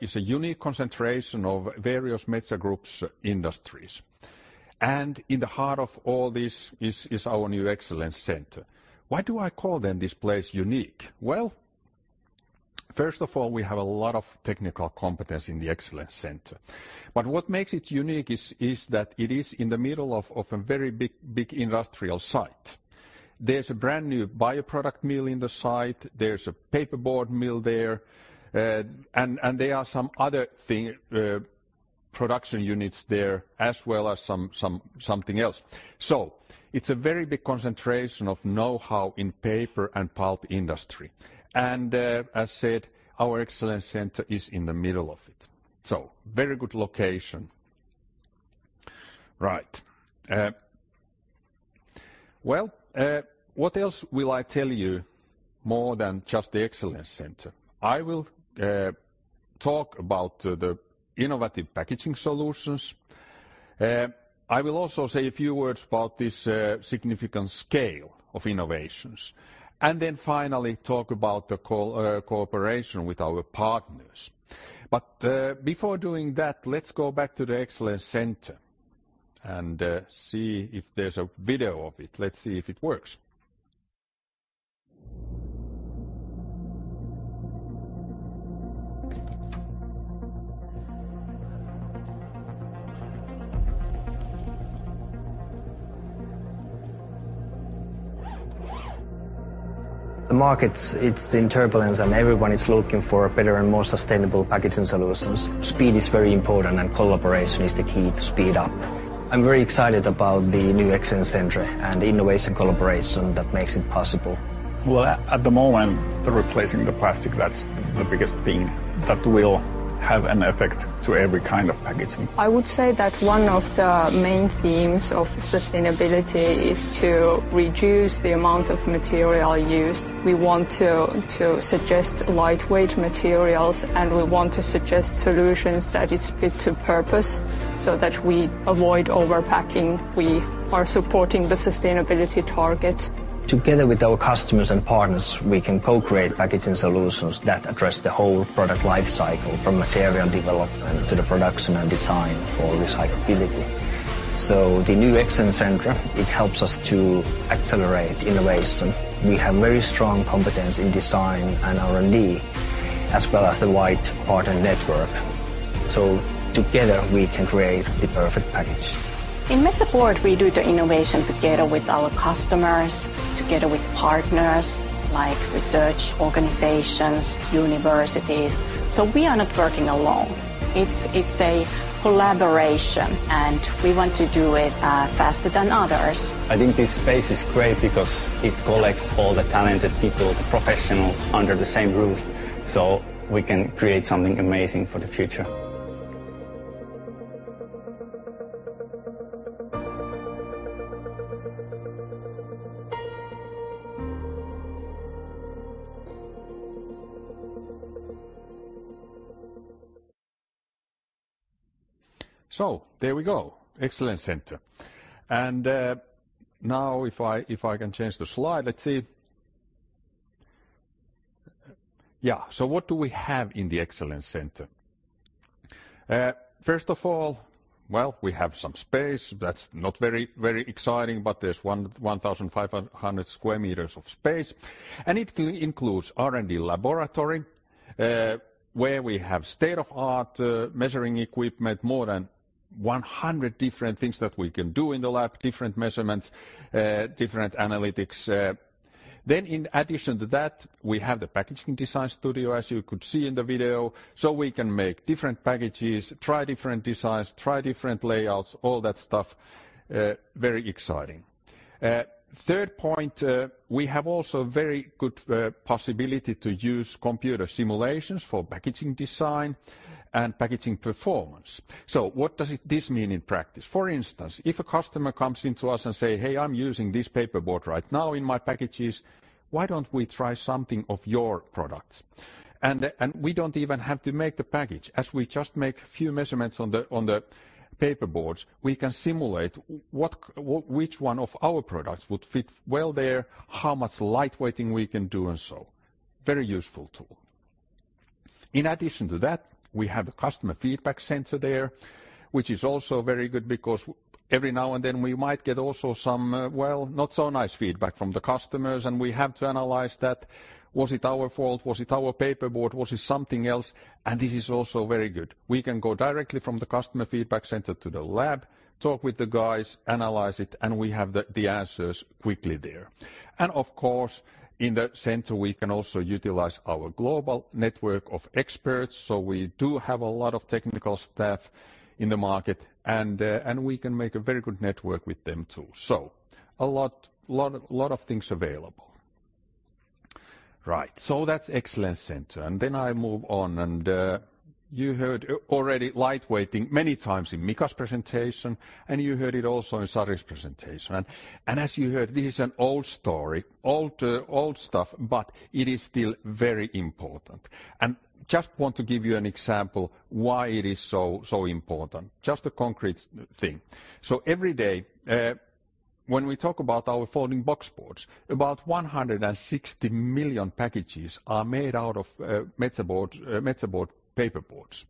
is a unique concentration of various Metsä Group's industries. And in the heart of all this is our new Excellence Centre. Why do I call this place unique? Well, first of all, we have a lot of technical competence in the Excellence Centre. But what makes it unique is that it is in the middle of a very big industrial site. There's a brand new bioproduct mill in the site. There's a paperboard mill there. And there are some other production units there, as well as something else. So it's a very big concentration of know-how in paper and pulp industry. And as said, our Excellence Centre is in the middle of it. So very good location. Right. Well, what else will I tell you more than just the Excellence Centre? I will talk about the innovative packaging solutions. I will also say a few words about this significant scale of innovations. And then finally, talk about the cooperation with our partners. But before doing that, let's go back to the Excellence Centre and see if there's a video of it. Let's see if it works. The market, it's in turbulence, and everyone is looking for better and more sustainable packaging solutions. Speed is very important, and collaboration is the key to speed up. I'm very excited about the new Excellence Centre and the innovation collaboration that makes it possible. Well, at the moment, the replacing of the plastic, that's the biggest thing that will have an effect to every kind of packaging. I would say that one of the main themes of sustainability is to reduce the amount of material used. We want to suggest lightweight materials, and we want to suggest solutions that are fit to purpose so that we avoid overpacking. We are supporting the sustainability targets. Together with our customers and partners, we can co-create packaging solutions that address the whole product lifecycle from material development to the production and design for recyclability. The new Excellence Centre. It helps us to accelerate innovation. We have very strong competence in design and R&D, as well as the wide partner network. Together, we can create the perfect package. In Metsä Board, we do the innovation together with our customers, together with partners like research organizations, universities. We are not working alone. It's a collaboration, and we want to do it faster than others. I think this space is great because it collects all the talented people, the professionals under the same roof. We can create something amazing for the future. So there we go, Excellence Centre. Now, if I can change the slide, let's see. Yeah. What do we have in the Excellence Centre? First of all, well, we have some space. That's not very exciting, but there's 1,500 sq m of space. It includes R&D laboratory where we have state-of-the-art measuring equipment, more than 100 different things that we can do in the lab, different measurements, different analytics. In addition to that, we have the packaging design studio, as you could see in the video. We can make different packages, try different designs, try different layouts, all that stuff. Very exciting. Third point, we have also a very good possibility to use computer simulations for packaging design and packaging performance. What does this mean in practice? For instance, if a customer comes into us and says, "Hey, I'm using this paperboard right now in my packages, why don't we try something of your products?" and we don't even have to make the package. As we just make a few measurements on the paperboards, we can simulate which one of our products would fit well there, how much lightweighting we can do, and so on. Very useful tool. In addition to that, we have a customer feedback center there, which is also very good because every now and then we might get also some, well, not so nice feedback from the customers, and we have to analyze that. Was it our fault? Was it our paperboard? Was it something else? and this is also very good. We can go directly from the customer feedback center to the lab, talk with the guys, analyze it, and we have the answers quickly there. And of course, in the center, we can also utilize our global network of experts. So we do have a lot of technical staff in the market, and we can make a very good network with them too. So a lot of things available. Right. So that's Excellence Centre. And then I move on. And you heard already lightweighting many times in Mika's presentation, and you heard it also in Sari's presentation. And as you heard, this is an old story, old stuff, but it is still very important. And just want to give you an example why it is so important. Just a concrete thing. Every day, when we talk about our folding boxboards, about 160 million packages are made out of Metsä Board paperboards.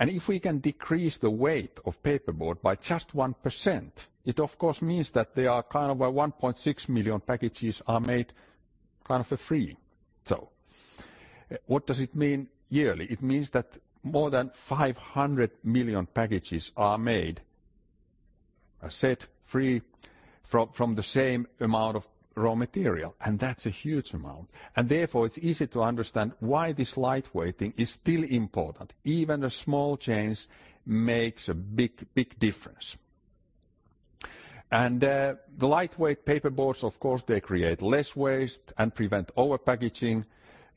If we can decrease the weight of paperboard by just 1%, it of course means that there are kind of 1.6 million packages made kind of free. What does it mean yearly? It means that more than 500 million packages are made for free from the same amount of raw material. That's a huge amount. Therefore, it's easy to understand why this lightweighting is still important. Even a small change makes a big difference. The lightweight paperboards, of course, they create less waste and prevent overpackaging.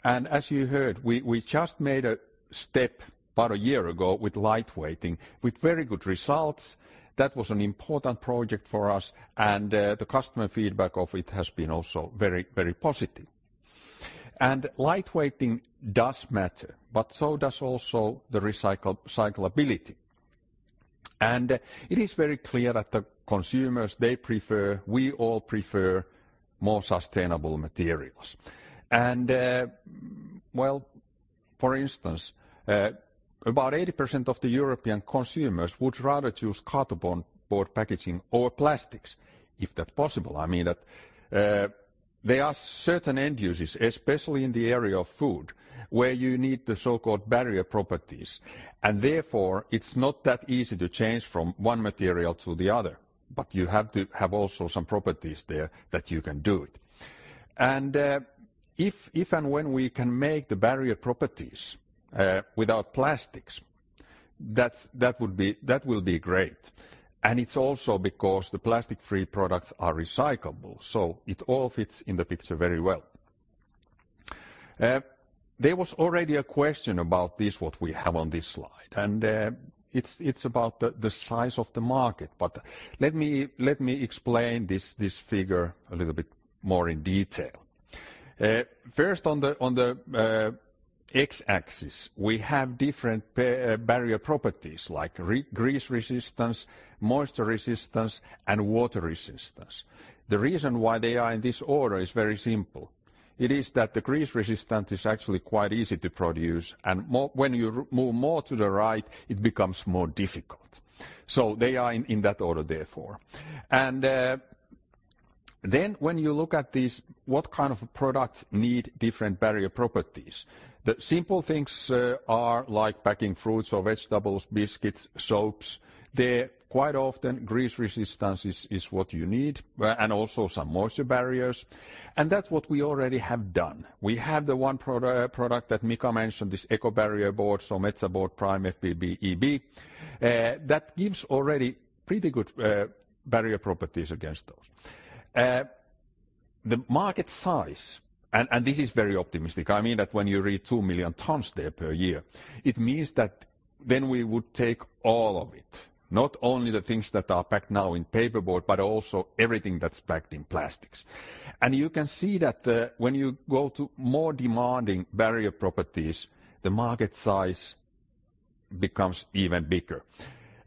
As you heard, we just made a step about a year ago with lightweighting with very good results. That was an important project for us, and the customer feedback of it has been also very positive. Lightweighting does matter, but so does also the recyclability. It is very clear that the consumers, they prefer, we all prefer more sustainable materials. Well, for instance, about 80% of the European consumers would rather choose cardboard packaging over plastics if that's possible. I mean, there are certain end uses, especially in the area of food, where you need the so-called barrier properties. And therefore, it's not that easy to change from one material to the other. But you have to have also some properties there that you can do it. And if and when we can make the barrier properties without plastics, that would be great. And it's also because the plastic-free products are recyclable. So it all fits in the picture very well. There was already a question about this, what we have on this slide. And it's about the size of the market. But let me explain this figure a little bit more in detail. First, on the X-axis, we have different barrier properties like grease resistance, moisture resistance, and water resistance. The reason why they are in this order is very simple. It is that the grease resistance is actually quite easy to produce. And when you move more to the right, it becomes more difficult. So they are in that order, therefore. And then when you look at these, what kind of products need different barrier properties? The simple things are like packing fruits or vegetables, biscuits, soaps. Quite often, grease resistance is what you need, and also some moisture barriers. And that's what we already have done. We have the one product that Mika mentioned, this eco-barrier board, so MetsäBoard Prime FBB EB, that gives already pretty good barrier properties against those. The market size, and this is very optimistic. I mean that when you read two million tons there per year, it means that then we would take all of it, not only the things that are packed now in paperboard, but also everything that's packed in plastics. And you can see that when you go to more demanding barrier properties, the market size becomes even bigger.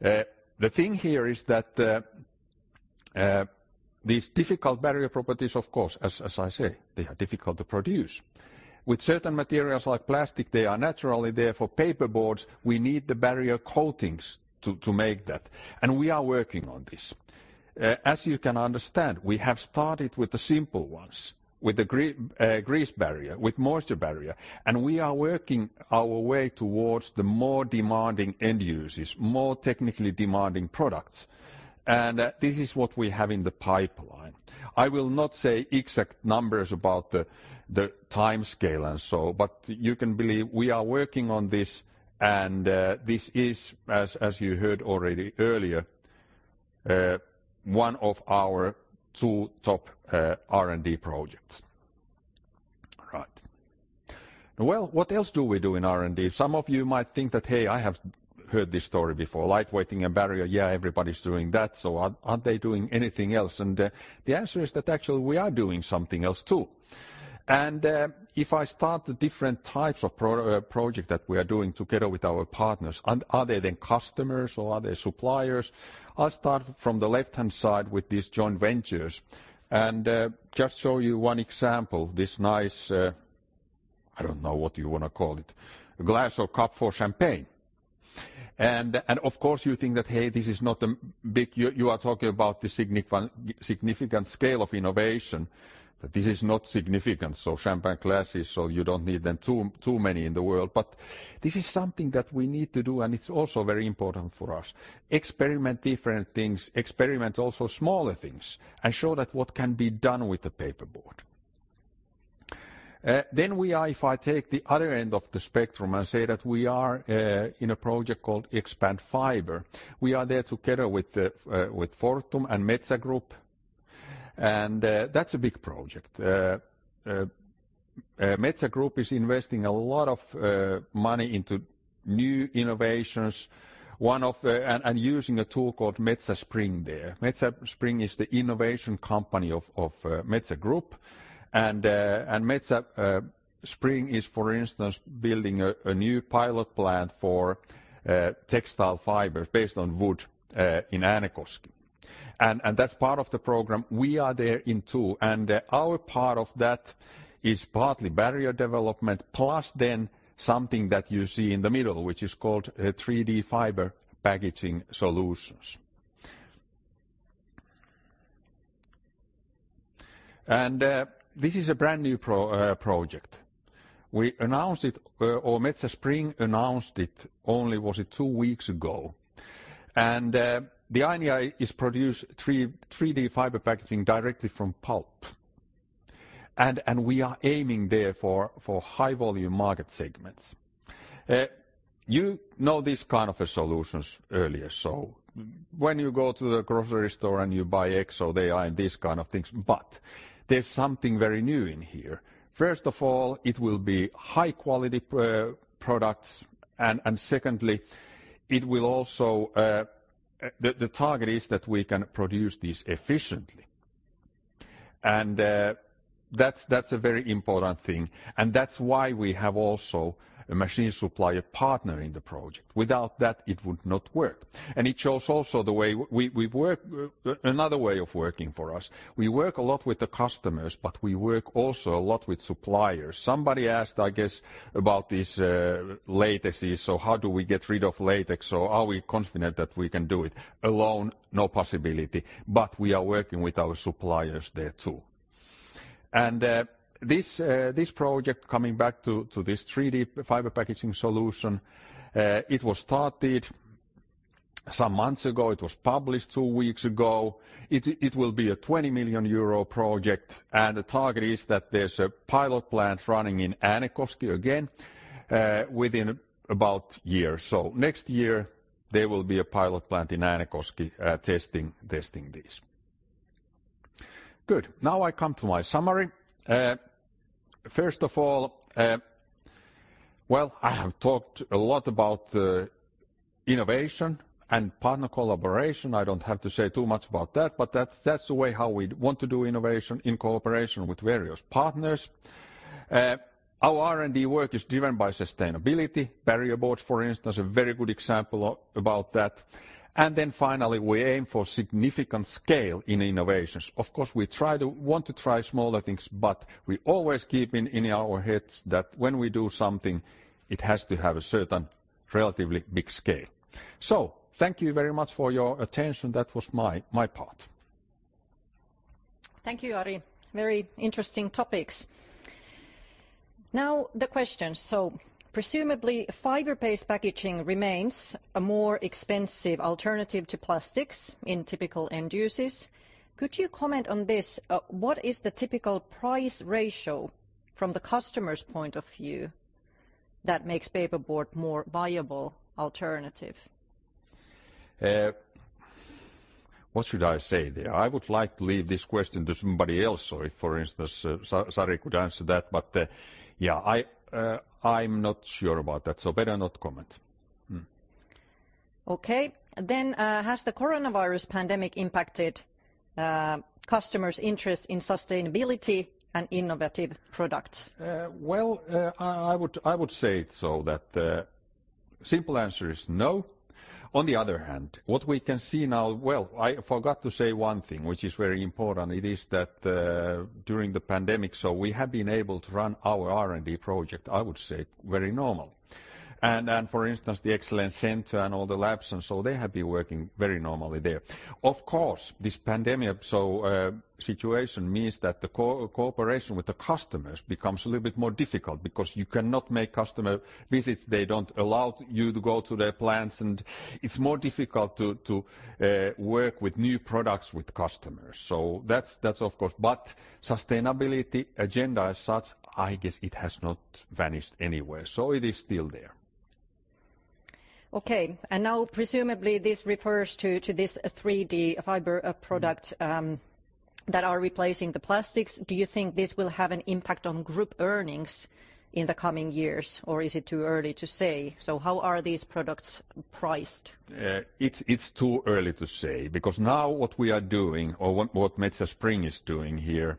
The thing here is that these difficult barrier properties, of course, as I say, they are difficult to produce. With certain materials like plastic, they are naturally there for paperboards. We need the barrier coatings to make that. And we are working on this. As you can understand, we have started with the simple ones, with the grease barrier, with moisture barrier. And we are working our way towards the more demanding end uses, more technically demanding products. And this is what we have in the pipeline. I will not say exact numbers about the timescale and so, but you can believe we are working on this. And this is, as you heard already earlier, one of our two top R&D projects. Right. Well, what else do we do in R&D? Some of you might think that, "Hey, I have heard this story before. Lightweighting and barrier, yeah, everybody's doing that. So aren't they doing anything else?" And the answer is that actually we are doing something else too. And if I start the different types of projects that we are doing together with our partners, are they then customers or are they suppliers? I'll start from the left-hand side with these joint ventures and just show you one example, this nice, I don't know what you want to call it, glass or cup for champagne. And of course, you think that, "Hey, this is not a big-" you are talking about the significant scale of innovation, but this is not significant. So champagne glasses, so you don't need them too many in the world. But this is something that we need to do, and it's also very important for us. Experiment different things, experiment also smaller things, and show that what can be done with the paperboard. Then we are, if I take the other end of the spectrum and say that we are in a project called ExpandFibre, we are there together with Fortum and Metsä Group. And that's a big project. Metsä Group is investing a lot of money into new innovations and using a tool called Metsä Spring there. Metsä Spring is the innovation company of Metsä Group. Metsä Spring is, for instance, building a new pilot plant for textile fibers based on wood in Äänekoski. That's part of the program. We are there too. Our part of that is partly barrier development, plus then something that you see in the middle, which is called 3D fiber packaging solutions. This is a brand new project. We announced it, or Metsä Spring announced it only, was it two weeks ago. The idea is to produce 3D fiber packaging directly from pulp. We are aiming there for high-volume market segments. You know these kind of solutions already. When you go to the grocery store and you buy eggs, they are in these kind of things. But there's something very new in here. First of all, it will be high-quality products. And secondly, the target is that we can produce these efficiently. That's a very important thing. That's why we have also a machine supplier partner in the project. Without that, it would not work. It shows also the way we work, another way of working for us. We work a lot with the customers, but we work also a lot with suppliers. Somebody asked, I guess, about these latexes. How do we get rid of latex? Are we confident that we can do it? Alone, no possibility. But we are working with our suppliers there too. This project, coming back to this 3D fiber packaging solution, it was started some months ago. It was published two weeks ago. It will be a 20 million euro project. The target is that there's a pilot plant running in Äänekoski again within about a year. So next year, there will be a pilot plant in Äänekoski testing this. Good. Now I come to my summary. First of all, well, I have talked a lot about innovation and partner collaboration. I don't have to say too much about that, but that's the way how we want to do innovation in cooperation with various partners. Our R&D work is driven by sustainability. Barrier boards, for instance, are a very good example about that. And then finally, we aim for significant scale in innovations. Of course, we want to try smaller things, but we always keep in our heads that when we do something, it has to have a certain relatively big scale. So thank you very much for your attention. That was my part. Thank you, Ari. Very interesting topics. Now the questions. So, presumably, fiber-based packaging remains a more expensive alternative to plastics in typical end uses. Could you comment on this? What is the typical price ratio from the customer's point of view that makes paperboard a more viable alternative? What should I say there? I would like to leave this question to somebody else. So, if, for instance, Sari could answer that, but yeah, I'm not sure about that. So, better not comment. Okay. Then, has the coronavirus pandemic impacted customers' interest in sustainability and innovative products? Well, I would say so that the simple answer is no. On the other hand, what we can see now, well, I forgot to say one thing, which is very important. It is that during the pandemic, so we have been able to run our R&D project, I would say, very normally. And for instance, the Excellence Centre and all the labs and so, they have been working very normally there. Of course, this pandemic situation means that the cooperation with the customers becomes a little bit more difficult because you cannot make customer visits. They don't allow you to go to their plants, and it's more difficult to work with new products with customers. So that's, of course. But sustainability agenda as such, I guess it has not vanished anywhere. So it is still there. Okay. And now presumably this refers to this 3D fiber product that are replacing the plastics. Do you think this will have an impact on group earnings in the coming years, or is it too early to say? So how are these products priced? It's too early to say because now what we are doing, or what Metsä Spring is doing here,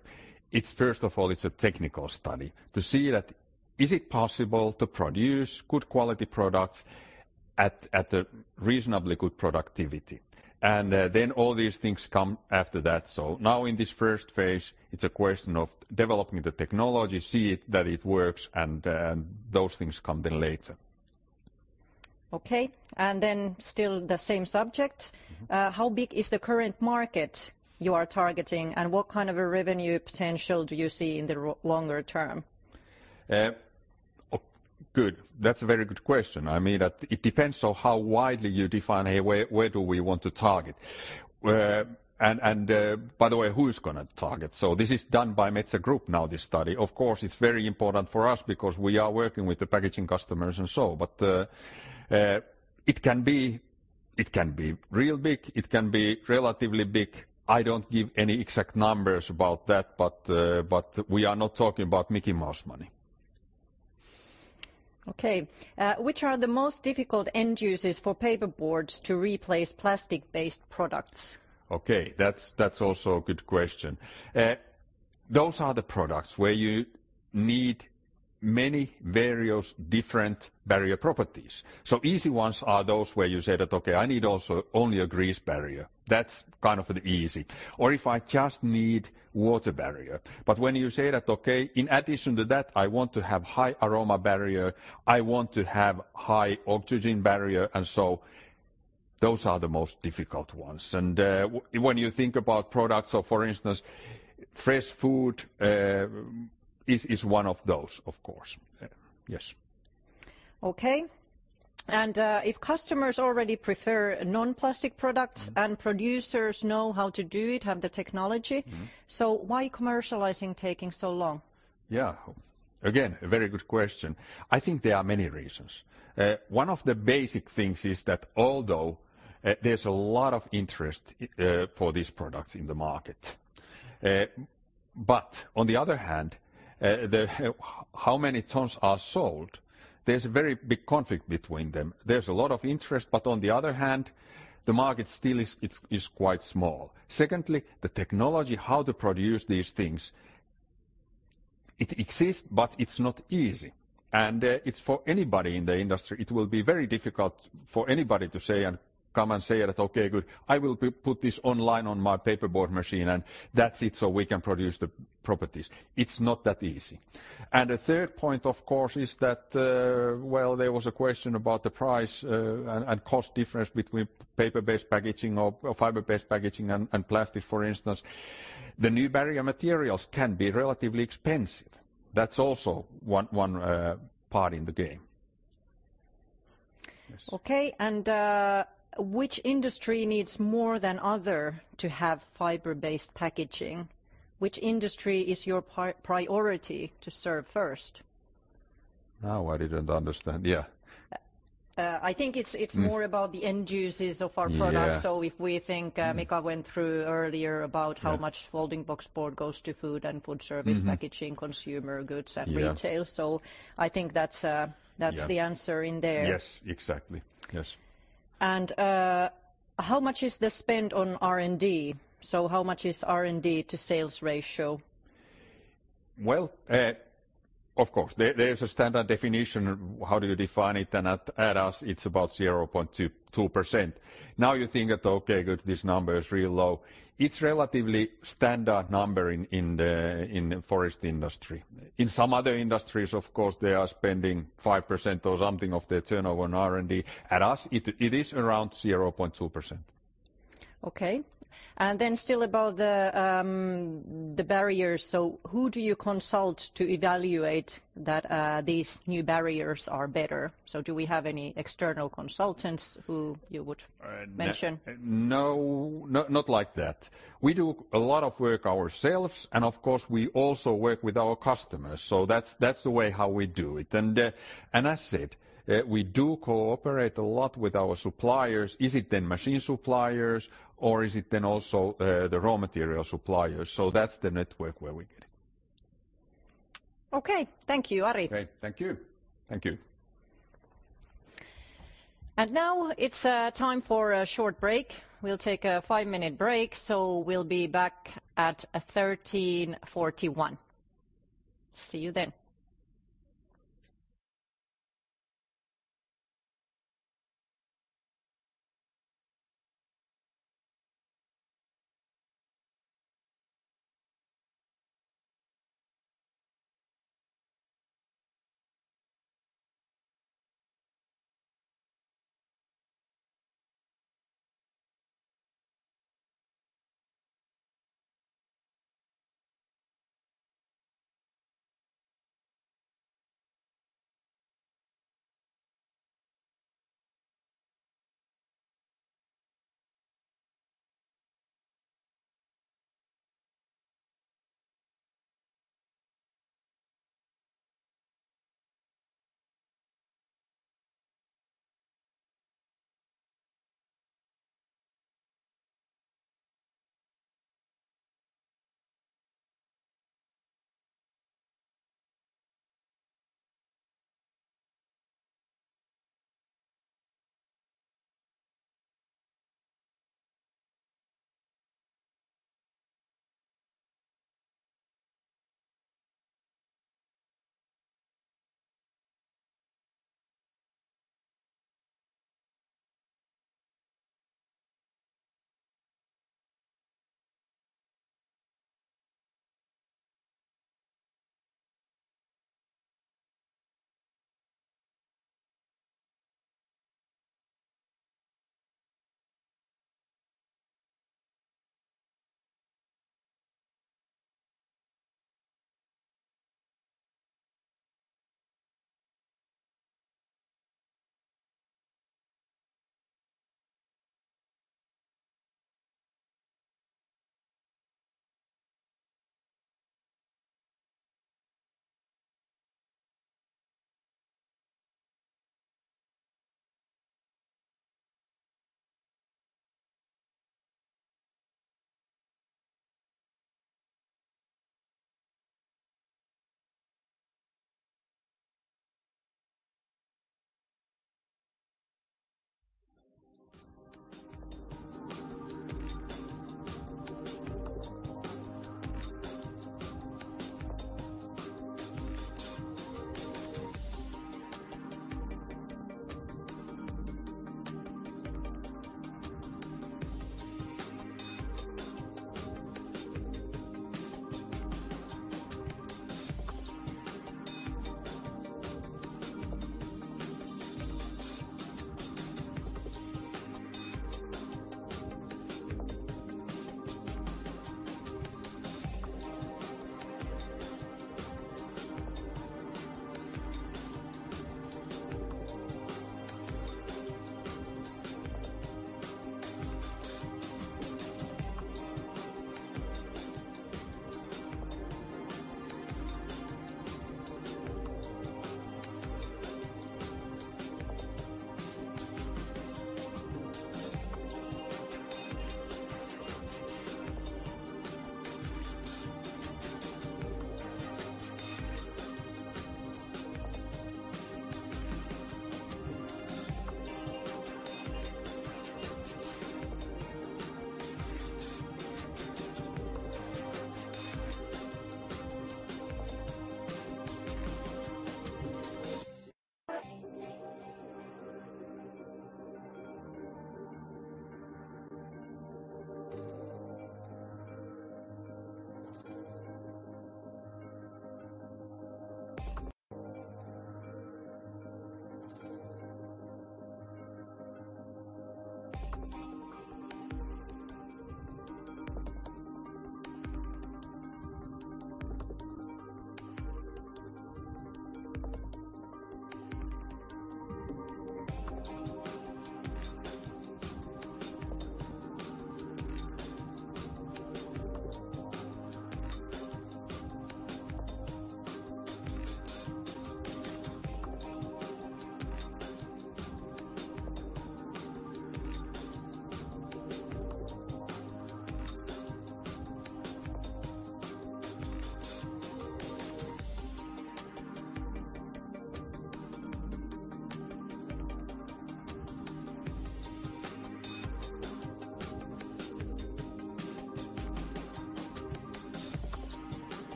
it's first of all, it's a technical study to see that is it possible to produce good quality products at a reasonably good productivity, and then all these things come after that, so now in this first phase, it's a question of developing the technology, seeing that it works, and those things come then later. Okay, and then still the same subject. How big is the current market you are targeting, and what kind of a revenue potential do you see in the longer term? Good. That's a very good question. I mean, it depends on how widely you define where do we want to target, and by the way, who is going to target, so this is done by Metsä Group now, this study. Of course, it's very important for us because we are working with the packaging customers and so. But it can be real big. It can be relatively big. I don't give any exact numbers about that, but we are not talking about Mickey Mouse money. Okay. Which are the most difficult end uses for paperboards to replace plastic-based products? Okay. That's also a good question. Those are the products where you need many various different barrier properties. So easy ones are those where you say that, "Okay, I need also only a grease barrier." That's kind of the easy. Or if I just need water barrier. But when you say that, "Okay, in addition to that, I want to have high aroma barrier. I want to have high oxygen barrier," and so, those are the most difficult ones. And when you think about products, so for instance, fresh food is one of those, of course. Yes. Okay. And if customers already prefer non-plastic products and producers know how to do it, have the technology, so why commercializing taking so long? Yeah. Again, a very good question. I think there are many reasons. One of the basic things is that although there's a lot of interest for these products in the market, but on the other hand, how many tons are sold, there's a very big conflict between them. There's a lot of interest, but on the other hand, the market still is quite small. Secondly, the technology, how to produce these things, it exists, but it's not easy. And it's for anybody in the industry. It will be very difficult for anybody to come and say that, "Okay, good. I will put this online on my paperboard machine, and that's it so we can produce the properties." It's not that easy. And the third point, of course, is that, well, there was a question about the price and cost difference between paper-based packaging or fiber-based packaging and plastic, for instance. The new barrier materials can be relatively expensive. That's also one part in the game. Okay. And which industry needs more than other to have fiber-based packaging? Which industry is your priority to serve first? No, I didn't understand. Yeah. I think it's more about the end uses of our products. So if we think, Mika went through earlier about how much folding boxboard goes to food and food service packaging, consumer goods, and retail. So I think that's the answer in there. Yes. Exactly. Yes. And how much is the spend on R&D? How much is R&D to sales ratio? Well, of course, there's a standard definition. How do you define it? And at us, it's about 0.2%. Now you think that, "Okay, good. This number is real low." It's a relatively standard number in the forest industry. In some other industries, of course, they are spending 5% or something of their turnover on R&D. At us, it is around 0.2%. Okay. And then still about the barriers. Who do you consult to evaluate that these new barriers are better? Do we have any external consultants who you would mention? No, not like that. We do a lot of work ourselves. And of course, we also work with our customers. That's the way how we do it. And as I said, we do cooperate a lot with our suppliers. Is it then machine suppliers, or is it then also the raw material suppliers? So that's the network where we get it. Okay. Thank you, Ari. Okay. Thank you. Thank you. And now it's time for a short break. We'll take a five-minute break. So we'll be back at 1:41 PM. See you then.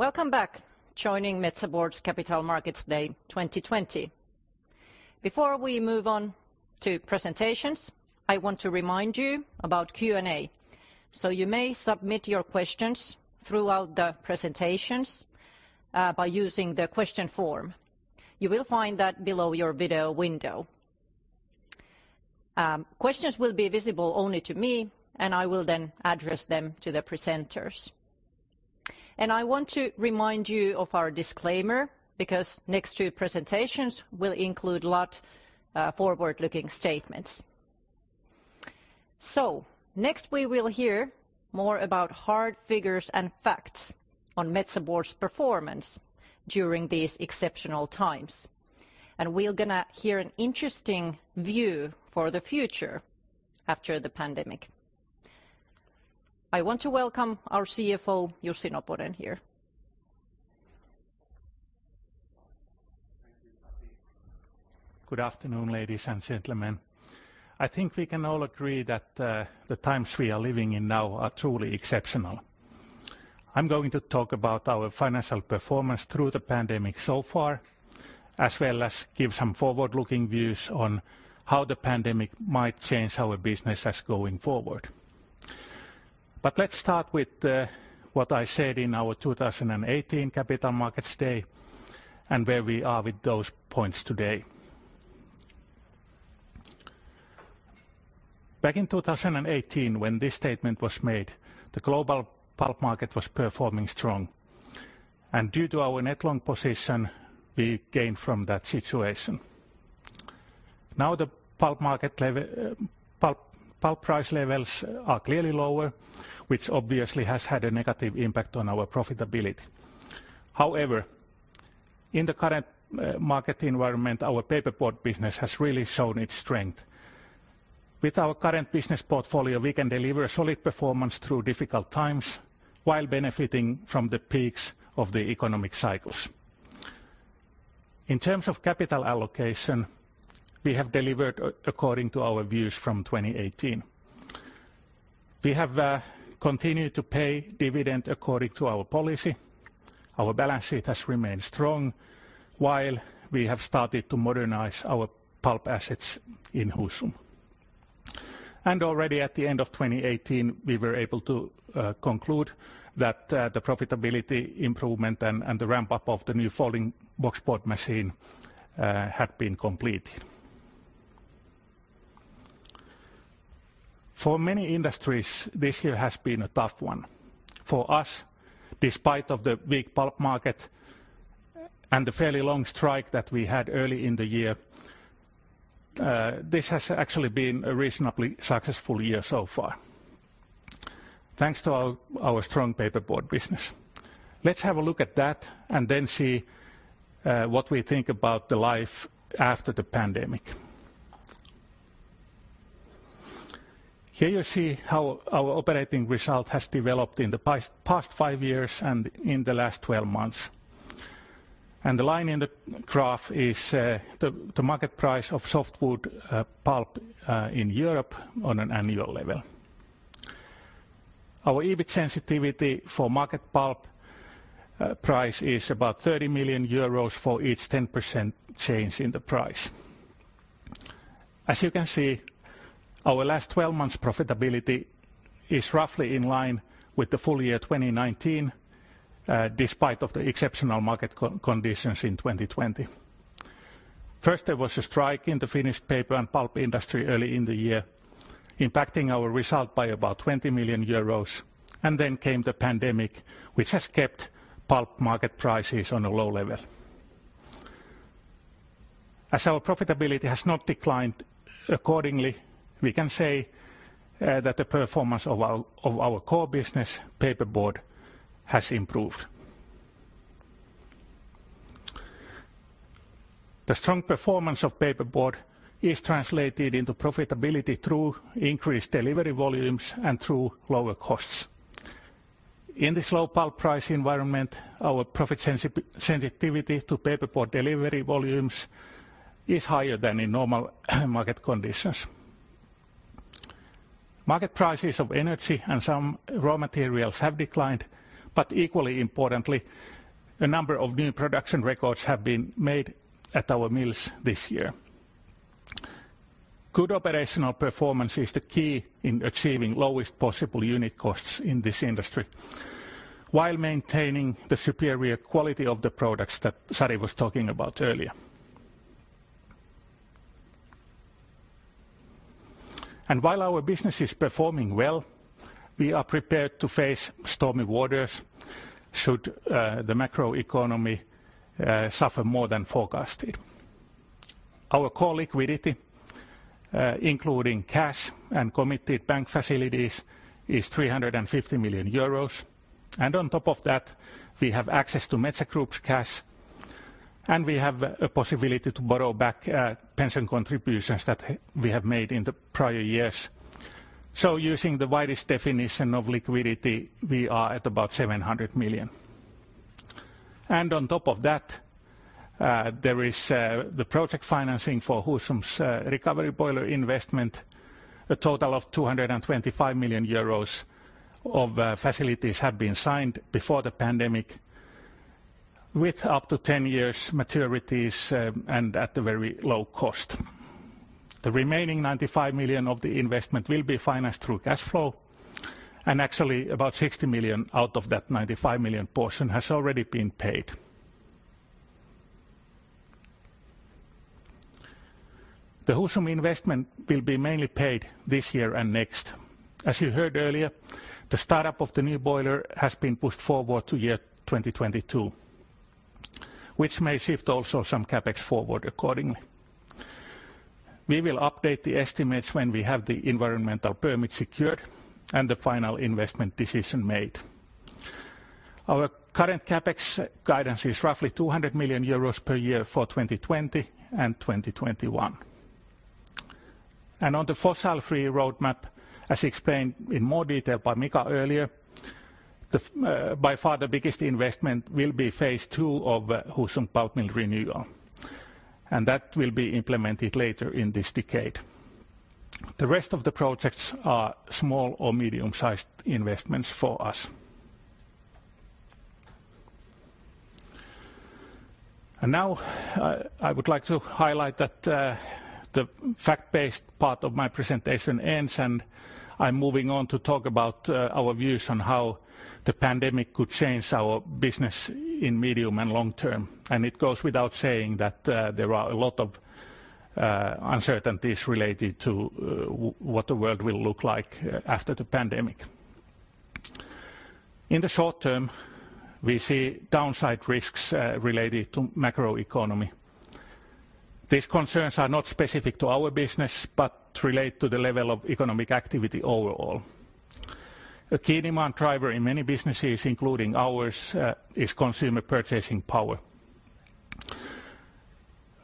Welcome back. Joining Metsä Board's Capital Markets Day 2020. Before we move on to presentations, I want to remind you about Q&A. So you may submit your questions throughout the presentations by using the question form. You will find that below your video window. Questions will be visible only to me, and I will then address them to the presenters. And I want to remind you of our disclaimer because next two presentations will include a lot of forward-looking statements. Next, we will hear more about hard figures and facts on Metsä Board's performance during these exceptional times. We're going to hear an interesting view for the future after the pandemic. I want to welcome our CFO, Jussi Noponen here. Good afternoon, ladies and gentlemen. I think we can all agree that the times we are living in now are truly exceptional. I'm going to talk about our financial performance through the pandemic so far, as well as give some forward-looking views on how the pandemic might change our businesses going forward. Let's start with what I said in our 2018 Capital Markets Day and where we are with those points today. Back in 2018, when this statement was made, the global pulp market was performing strong. Due to our net long position, we gained from that situation. Now the pulp price levels are clearly lower, which obviously has had a negative impact on our profitability. However, in the current market environment, our paperboard business has really shown its strength. With our current business portfolio, we can deliver solid performance through difficult times while benefiting from the peaks of the economic cycles. In terms of capital allocation, we have delivered according to our views from 2018. We have continued to pay dividend according to our policy. Our balance sheet has remained strong while we have started to modernize our pulp assets in Husum, and already at the end of 2018, we were able to conclude that the profitability improvement and the ramp-up of the new folding boxboard machine had been completed. For many industries, this year has been a tough one. For us, despite the weak pulp market and the fairly long strike that we had early in the year, this has actually been a reasonably successful year so far, thanks to our strong paperboard business. Let's have a look at that and then see what we think about the life after the pandemic. Here you see how our operating result has developed in the past five years and in the last 12 months. And the line in the graph is the market price of softwood pulp in Europe on an annual level. Our EBIT sensitivity for market pulp price is about 30 million euros for each 10% change in the price. As you can see, our last 12 months' profitability is roughly in line with the full year 2019, despite the exceptional market conditions in 2020. First, there was a strike in the finished paper and pulp industry early in the year, impacting our result by about 20 million euros. And then came the pandemic, which has kept pulp market prices on a low level. As our profitability has not declined accordingly, we can say that the performance of our core business, paperboard, has improved. The strong performance of paperboard is translated into profitability through increased delivery volumes and through lower costs. In this low pulp price environment, our profit sensitivity to paperboard delivery volumes is higher than in normal market conditions. Market prices of energy and some raw materials have declined, but equally importantly, a number of new production records have been made at our mills this year. Good operational performance is the key in achieving lowest possible unit costs in this industry, while maintaining the superior quality of the products that Sari was talking about earlier, and while our business is performing well, we are prepared to face stormy waters should the macroeconomy suffer more than forecasted. Our core liquidity, including cash and committed bank facilities, is 350 million euros, and on top of that, we have access to Metsä Group's cash, and we have a possibility to borrow back pension contributions that we have made in the prior years, so using the widest definition of liquidity, we are at about 700 million, and on top of that, there is the project financing for Husum's recovery boiler investment. A total of 225 million euros of facilities have been signed before the pandemic, with up to 10 years' maturities and at a very low cost. The remaining 95 million of the investment will be financed through cash flow. And actually, about 60 million out of that 95 million portion has already been paid. The Husum investment will be mainly paid this year and next. As you heard earlier, the startup of the new boiler has been pushed forward to year 2022, which may shift also some CapEx forward accordingly. We will update the estimates when we have the environmental permit secured and the final investment decision made. Our current CapEx guidance is roughly 200 million euros per year for 2020 and 2021. And on the fossil-free roadmap, as explained in more detail by Mika earlier, by far the biggest investment will be phase two of Husum pulp mill renewal. And that will be implemented later in this decade. The rest of the projects are small or medium-sized investments for us. Now I would like to highlight that the fact-based part of my presentation ends, and I'm moving on to talk about our views on how the pandemic could change our business in medium and long term. It goes without saying that there are a lot of uncertainties related to what the world will look like after the pandemic. In the short term, we see downside risks related to macroeconomy. These concerns are not specific to our business, but relate to the level of economic activity overall. A key demand driver in many businesses, including ours, is consumer purchasing power.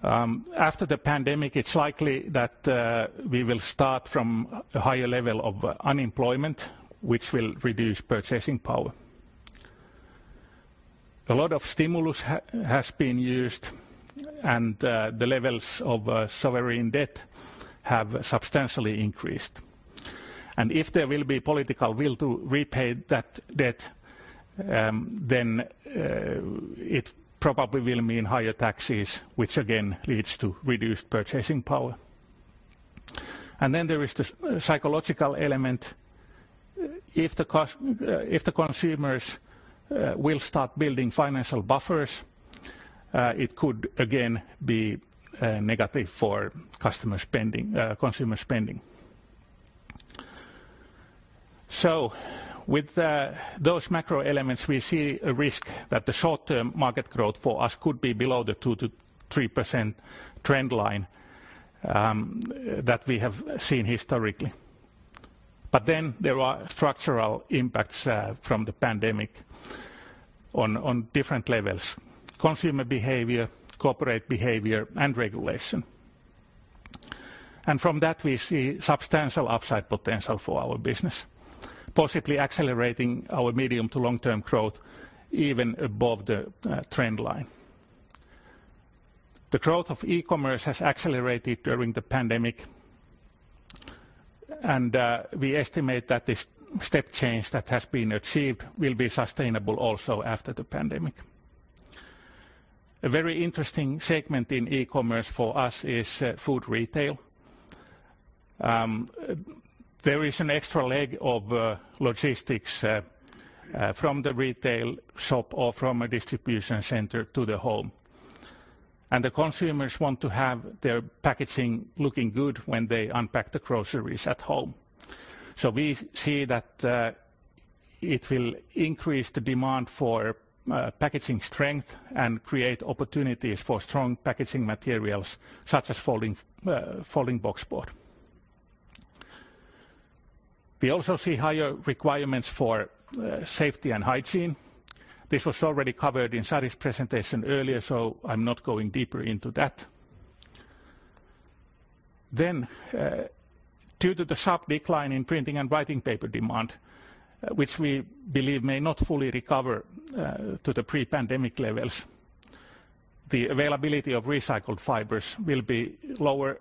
After the pandemic, it's likely that we will start from a higher level of unemployment, which will reduce purchasing power. A lot of stimulus has been used, and the levels of sovereign debt have substantially increased. And if there will be political will to repay that debt, then it probably will mean higher taxes, which again leads to reduced purchasing power. And then there is the psychological element. If the consumers will start building financial buffers, it could again be negative for consumer spending. So with those macro elements, we see a risk that the short-term market growth for us could be below the 2-3% trend line that we have seen historically. But then there are structural impacts from the pandemic on different levels: consumer behavior, corporate behavior, and regulation. And from that, we see substantial upside potential for our business, possibly accelerating our medium to long-term growth even above the trend line. The growth of e-commerce has accelerated during the pandemic, and we estimate that this step change that has been achieved will be sustainable also after the pandemic. A very interesting segment in e-commerce for us is food retail. There is an extra leg of logistics from the retail shop or from a distribution center to the home. And the consumers want to have their packaging looking good when they unpack the groceries at home. So we see that it will increase the demand for packaging strength and create opportunities for strong packaging materials, such as folding boxboard. We also see higher requirements for safety and hygiene. This was already covered in Sari's presentation earlier, so I'm not going deeper into that. Then, due to the sharp decline in printing and writing paper demand, which we believe may not fully recover to the pre-pandemic levels, the availability of recycled fibers will be lower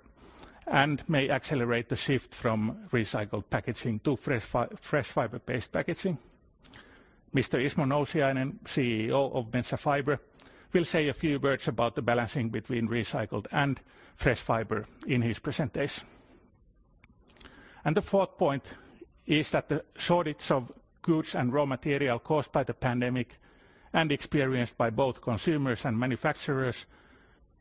and may accelerate the shift from recycled packaging to fresh fiber-based packaging. Mr. Ismo Nousiainen, CEO of Metsä Fibre, will say a few words about the balancing between recycled and fresh fiber in his presentation. The fourth point is that the shortage of goods and raw material caused by the pandemic and experienced by both consumers and manufacturers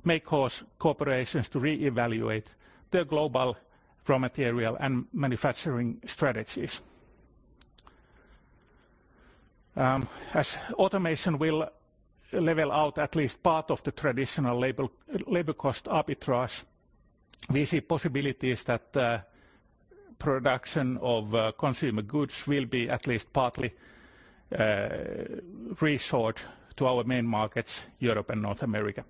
may cause corporations to reevaluate their global raw material and manufacturing strategies. As automation will level out at least part of the traditional labor cost arbitrage, we see possibilities that production of consumer goods will be at least partly resort to our main markets, Europe and North America.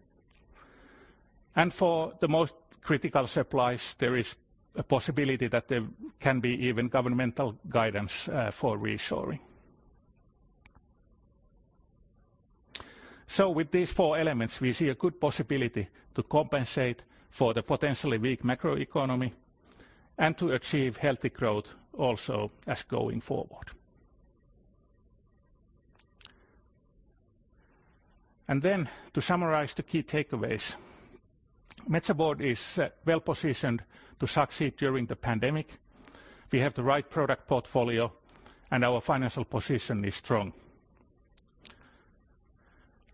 For the most critical supplies, there is a possibility that there can be even governmental guidance for reshoring. With these four elements, we see a good possibility to compensate for the potentially weak macroeconomy and to achieve healthy growth also as going forward. And then, to summarize the key takeaways, Metsä Board is well positioned to succeed during the pandemic. We have the right product portfolio, and our financial position is strong.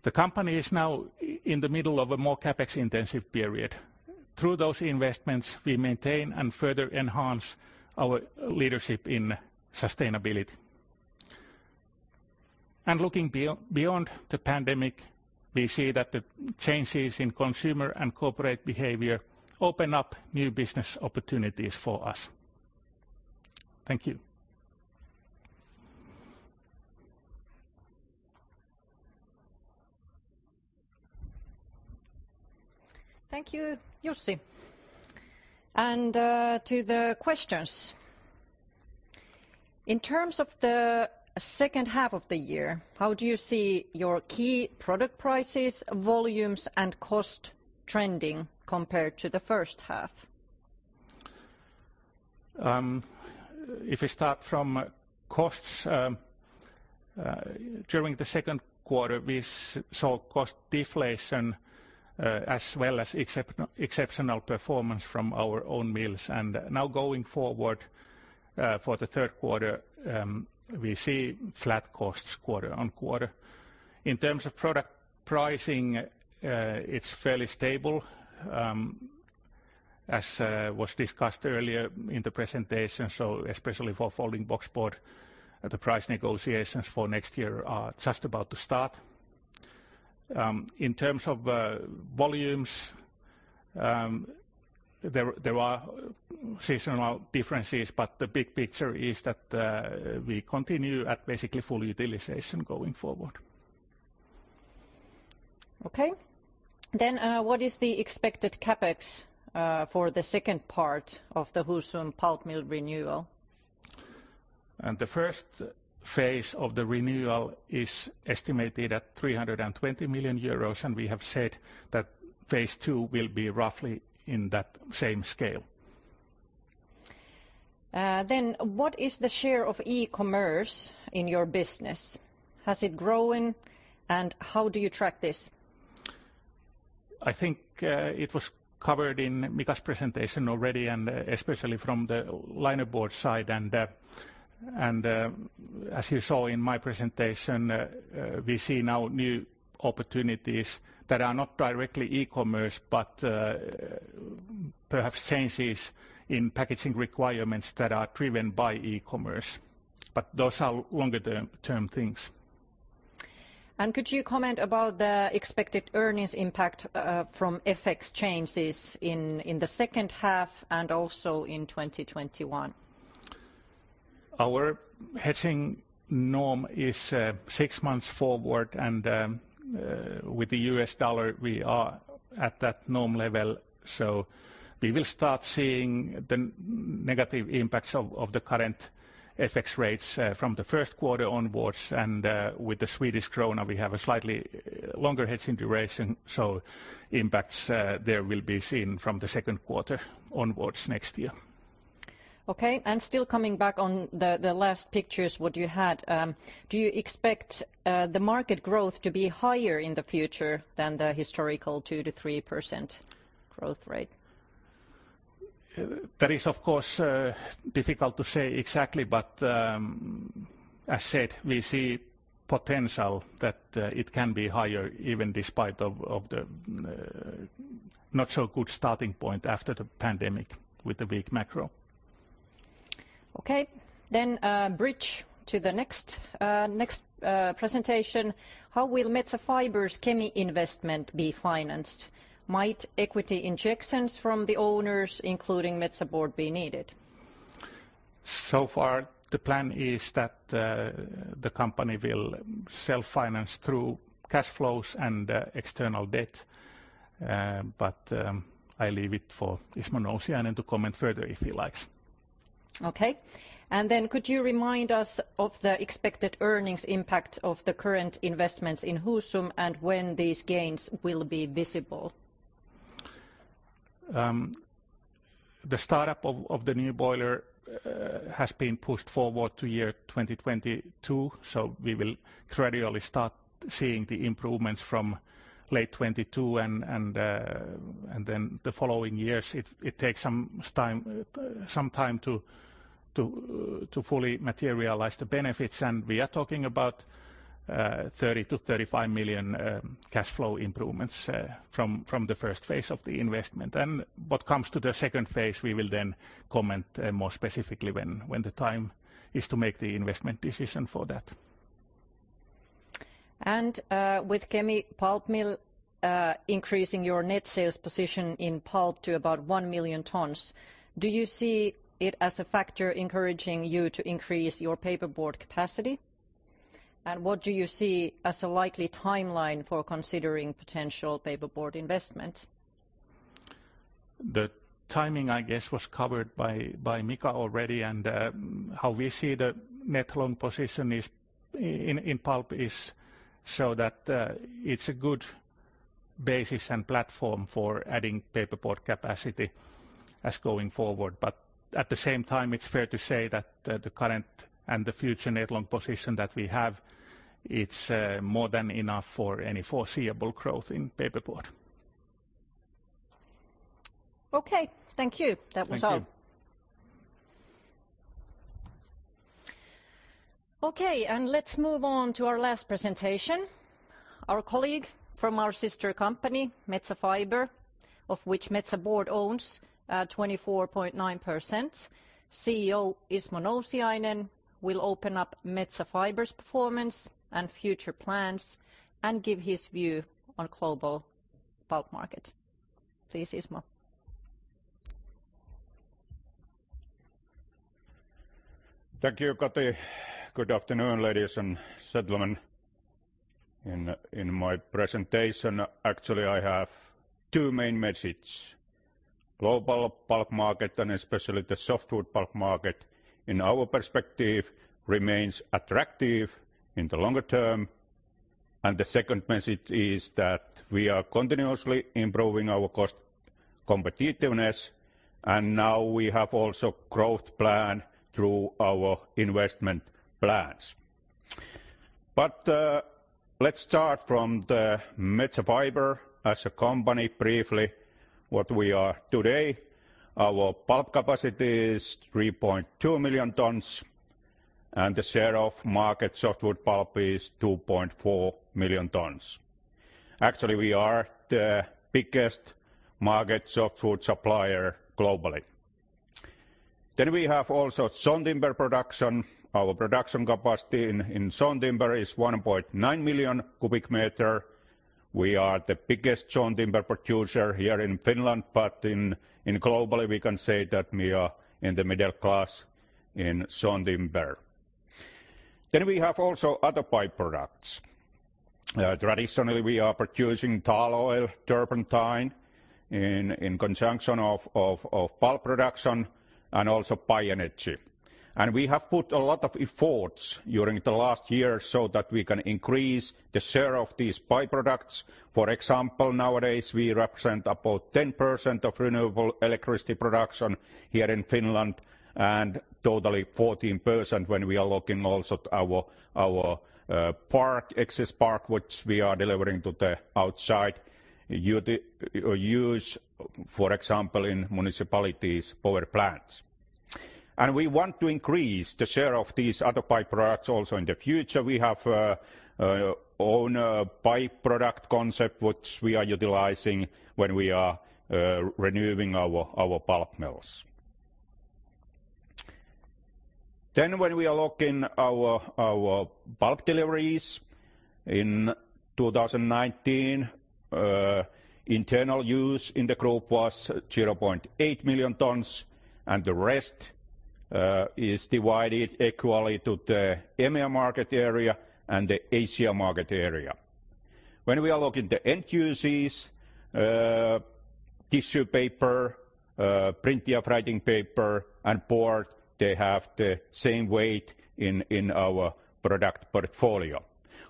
The company is now in the middle of a more CapEx-intensive period. Through those investments, we maintain and further enhance our leadership in sustainability. And looking beyond the pandemic, we see that the changes in consumer and corporate behavior open up new business opportunities for us. Thank you. Thank you, Jussi, and to the questions. In terms of the second half of the year, how do you see your key product prices, volumes, and cost trending compared to the first half? If we start from costs, during the second quarter, we saw cost deflation as well as exceptional performance from our own mills, and now going forward for the third quarter, we see flat costs quarter on quarter. In terms of product pricing, it's fairly stable, as was discussed earlier in the presentation, so especially for folding boxboard, the price negotiations for next year are just about to start. In terms of volumes, there are seasonal differences, but the big picture is that we continue at basically full utilization going forward. Okay. Then what is the expected CapEx for the second part of the Husum pulp mill renewal? The first phase of the renewal is estimated at 320 million euros, and we have said that phase two will be roughly in that same scale. Then what is the share of e-commerce in your business? Has it grown, and how do you track this? I think it was covered in Mika's presentation already, and especially from the linerboard side. And as you saw in my presentation, we see now new opportunities that are not directly e-commerce, but perhaps changes in packaging requirements that are driven by e-commerce. But those are longer-term things. Could you comment about the expected earnings impact from FX changes in the second half and also in 2021? Our hedging norm is six months forward, and with the U.S. dollar, we are at that norm level. So we will start seeing the negative impacts of the current FX rates from the first quarter onwards. And with the Swedish krona, we have a slightly longer hedging duration. So impacts there will be seen from the second quarter onwards next year. Okay. And still coming back on the last pictures, what you had, do you expect the market growth to be higher in the future than the historical 2%-3% growth rate? That is, of course, difficult to say exactly, but as said, we see potential that it can be higher even despite the not-so-good starting point after the pandemic with the weak macro. Okay. Then bridge to the next presentation. How will Metsä Fibre's Kemi investment be financed? Might equity injections from the owners, including Metsä Board, be needed? So far, the plan is that the company will self-finance through cash flows and external debt. But I leave it for Ismo Nousiainen to comment further if he likes. Okay. And then could you remind us of the expected earnings impact of the current investments in Husum and when these gains will be visible? The startup of the new boiler has been pushed forward to year 2022, so we will gradually start seeing the improvements from late 2022 and then the following years. It takes some time to fully materialize the benefits, and we are talking about 30 million-35 million cash flow improvements from the first phase of the investment, and what comes to the second phase, we will then comment more specifically when the time is to make the investment decision for that. With Kemi pulp mill increasing your net sales position in pulp to about one million tons, do you see it as a factor encouraging you to increase your paperboard capacity? And what do you see as a likely timeline for considering potential paperboard investment? The timing, I guess, was covered by Mika already, and how we see the net long position in pulp is so that it's a good basis and platform for adding paperboard capacity as going forward, but at the same time, it's fair to say that the current and the future net long position that we have, it's more than enough for any foreseeable growth in paperboard. Okay. Thank you. That was all. Thank you. Okay, and let's move on to our last presentation. Our colleague from our sister company, Metsä Fibre, of which Metsä Board owns 24.9%, CEO Ismo Nousiainen, will open up Metsä Fibre's performance and future plans and give his view on the global pulp market. Please, Ismo. Thank you, Katri. Good afternoon, ladies and gentlemen. In my presentation, actually, I have two main messages. Global pulp market, and especially the softwood pulp market, in our perspective, remains attractive in the longer term. And the second message is that we are continuously improving our cost competitiveness, and now we have also a growth plan through our investment plans. But let's start from the Metsä Fibre as a company briefly, what we are today. Our pulp capacity is 3.2 million tons, and the share of market softwood pulp is 2.4 million tons. Actually, we are the biggest market softwood supplier globally. Then we have also sawn timber production. Our production capacity in sawn timber is 1.9 million cubic meters. We are the biggest sawn timber producer here in Finland, but globally, we can say that we are in the middle class in sawn timber. Then we have also other bioproducts. Traditionally, we are producing tall oil, turpentine, in conjunction with pulp production, and also bioenergy. We have put a lot of efforts during the last years so that we can increase the share of these bioproducts. For example, nowadays, we represent about 10% of renewable electricity production here in Finland and totally 14% when we are looking also at our wind park, which we are delivering to the outside use, for example, in municipalities' power plants. We want to increase the share of these other bioproducts also in the future. We have our own bioproduct concept, which we are utilizing when we are renewing our pulp mills. Then when we are looking at our pulp deliveries, in 2019, internal use in the group was 0.8 million tons, and the rest is divided equally to the EMEA market area and the Asia market area. When we are looking at the end uses, tissue paper, printing and writing paper, and board, they have the same weight in our product portfolio.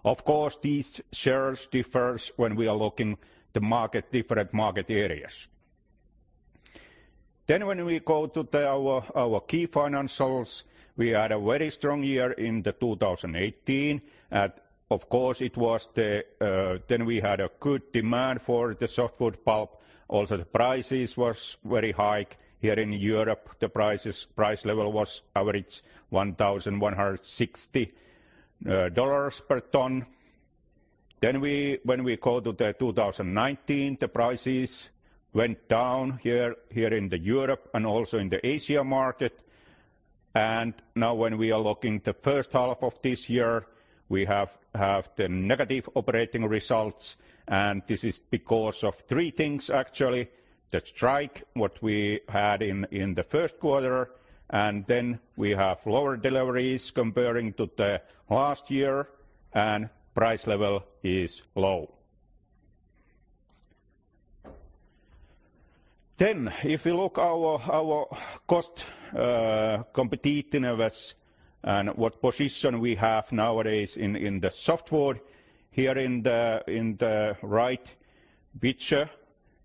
Of course, these shares differ when we are looking at the different market areas. When we go to our key financials, we had a very strong year in 2018. Of course, it was then we had a good demand for the softwood pulp. Also, the prices were very high here in Europe. The price level was average $1,160 per ton. When we go to 2019, the prices went down here in Europe and also in the Asia market. Now when we are looking at the first half of this year, we have the negative operating results, and this is because of three things, actually. The strike, what we had in the first quarter, and then we have lower deliveries comparing to the last year, and price level is low, then if we look at our cost competitiveness and what position we have nowadays in the softwood, here in the right picture,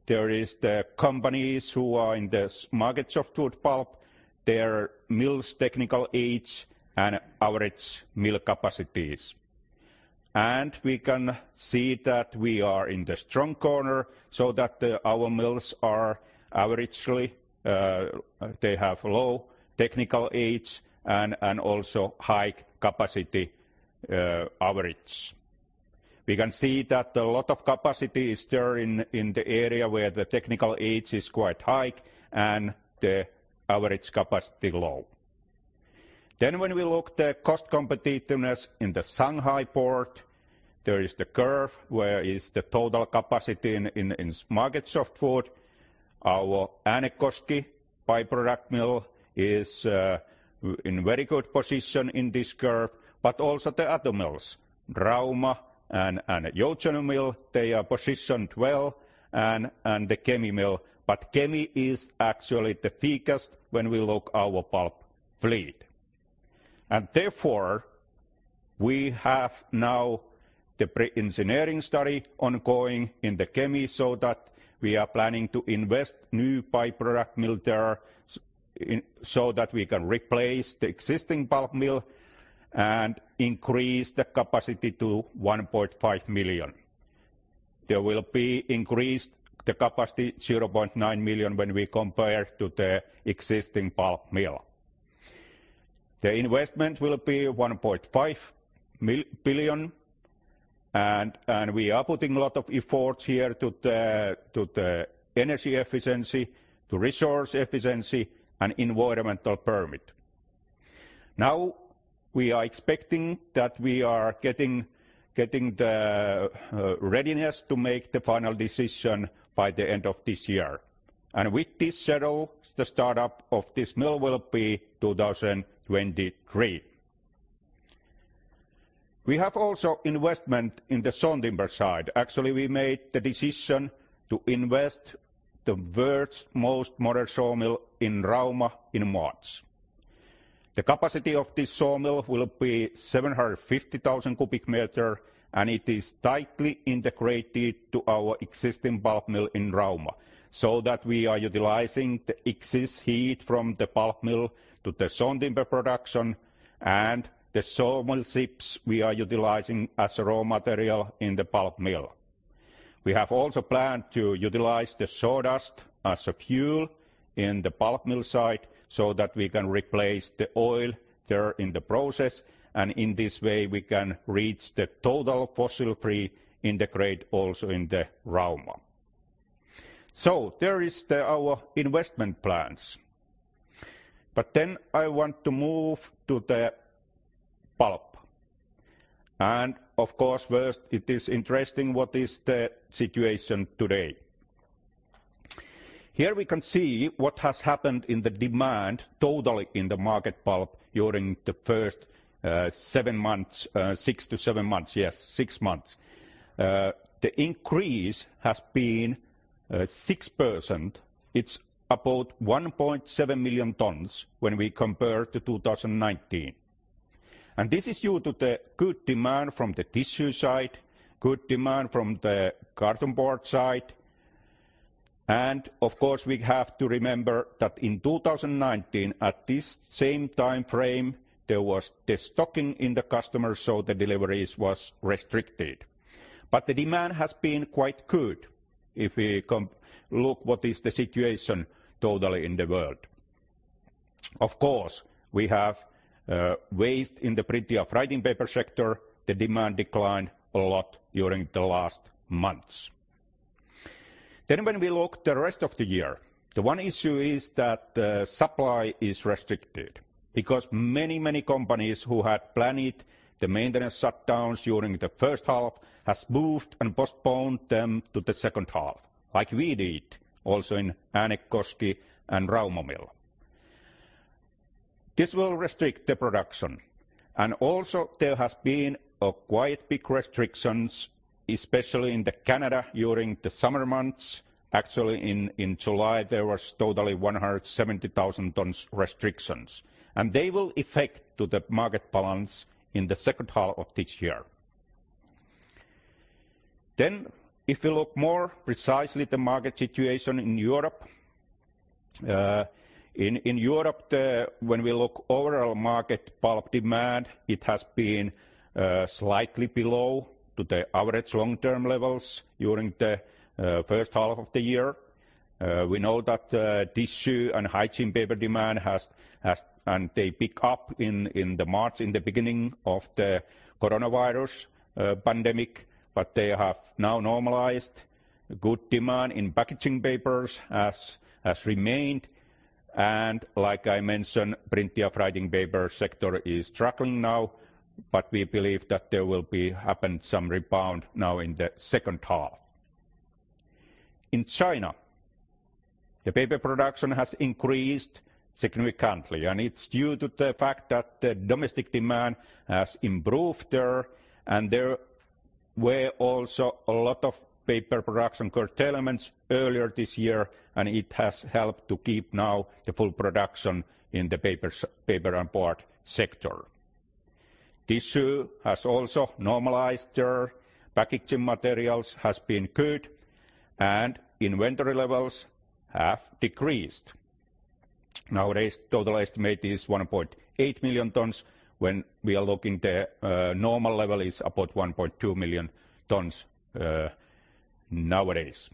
there are the companies who are in the market softwood pulp, their mills' technical age, and average mill capacities, and we can see that we are in the strong corner so that our mills are averagely they have low technical age and also high capacity average. We can see that a lot of capacity is there in the area where the technical age is quite high and the average capacity low, then when we look at the cost competitiveness in the Shanghai port, there is the curve where is the total capacity in market softwood. Our Äänekoski bioproduct mill is in very good position in this curve, but also the other mills, Rauma and Joutseno mill, they are positioned well, and the Kemi mill, but Kemi is actually the thickest when we look at our pulp fleet, and therefore, we have now the pre-engineering study ongoing in the Kemi so that we are planning to invest in new bioproduct mill there so that we can replace the existing pulp mill and increase the capacity to 1.5 million. There will be increased the capacity to 0.9 million when we compare to the existing pulp mill. The investment will be 1.5 billion, and we are putting a lot of efforts here to the energy efficiency, to resource efficiency, and environmental permit. Now we are expecting that we are getting the readiness to make the final decision by the end of this year. With this schedule, the startup of this mill will be 2023. We have also investment in the sawn timber side. Actually, we made the decision to invest the world's most modern sawmill in Rauma in March. The capacity of this sawmill will be 750,000 cu m, and it is tightly integrated to our existing pulp mill in Rauma so that we are utilizing the excess heat from the pulp mill to the sawn timber production, and the sawmill chips we are utilizing as raw material in the pulp mill. We have also planned to utilize the sawdust as a fuel in the pulp mill side so that we can replace the oil there in the process, and in this way, we can reach the total fossil-free integration also in the Rauma. There are our investment plans. Then I want to move to the pulp. Of course, first, it is interesting what is the situation today. Here we can see what has happened in the demand totally in the market pulp during the first seven months, six to seven months, yes, six months. The increase has been 6%. It's about 1.7 million tons when we compare to 2019. And this is due to the good demand from the tissue side, good demand from the cartonboard side. And of course, we have to remember that in 2019, at this same time frame, there was the stocking in the customers, so the deliveries were restricted. But the demand has been quite good if we look at what is the situation totally in the world. Of course, we have waste in the printing and writing paper sector. The demand declined a lot during the last months. Then when we look at the rest of the year, the one issue is that the supply is restricted because many, many companies who had planned the maintenance shutdowns during the first half have moved and postponed them to the second half, like we did also in Äänekoski and Rauma mill. This will restrict the production. And also there have been quite big restrictions, especially in Canada during the summer months. Actually, in July, there were totally 170,000 tons restrictions. And they will affect the market balance in the second half of this year. Then if we look more precisely at the market situation in Europe, in Europe, when we look at the overall market pulp demand, it has been slightly below the average long-term levels during the first half of the year. We know that tissue and hygiene paper demand has, and they picked up in March in the beginning of the coronavirus pandemic, but they have now normalized. Good demand in packaging papers has remained, and like I mentioned, the printing and writing paper sector is struggling now, but we believe that there will happen some rebound now in the second half. In China, the paper production has increased significantly, and it's due to the fact that the domestic demand has improved there, and there were also a lot of paper production curtailments earlier this year, and it has helped to keep now the full production in the paper and board sector. Tissue has also normalized there. Packaging materials have been good, and inventory levels have decreased. Nowadays, the total estimate is 1.8 million tons. When we are looking at the normal level, it is about 1.2 million tons nowadays.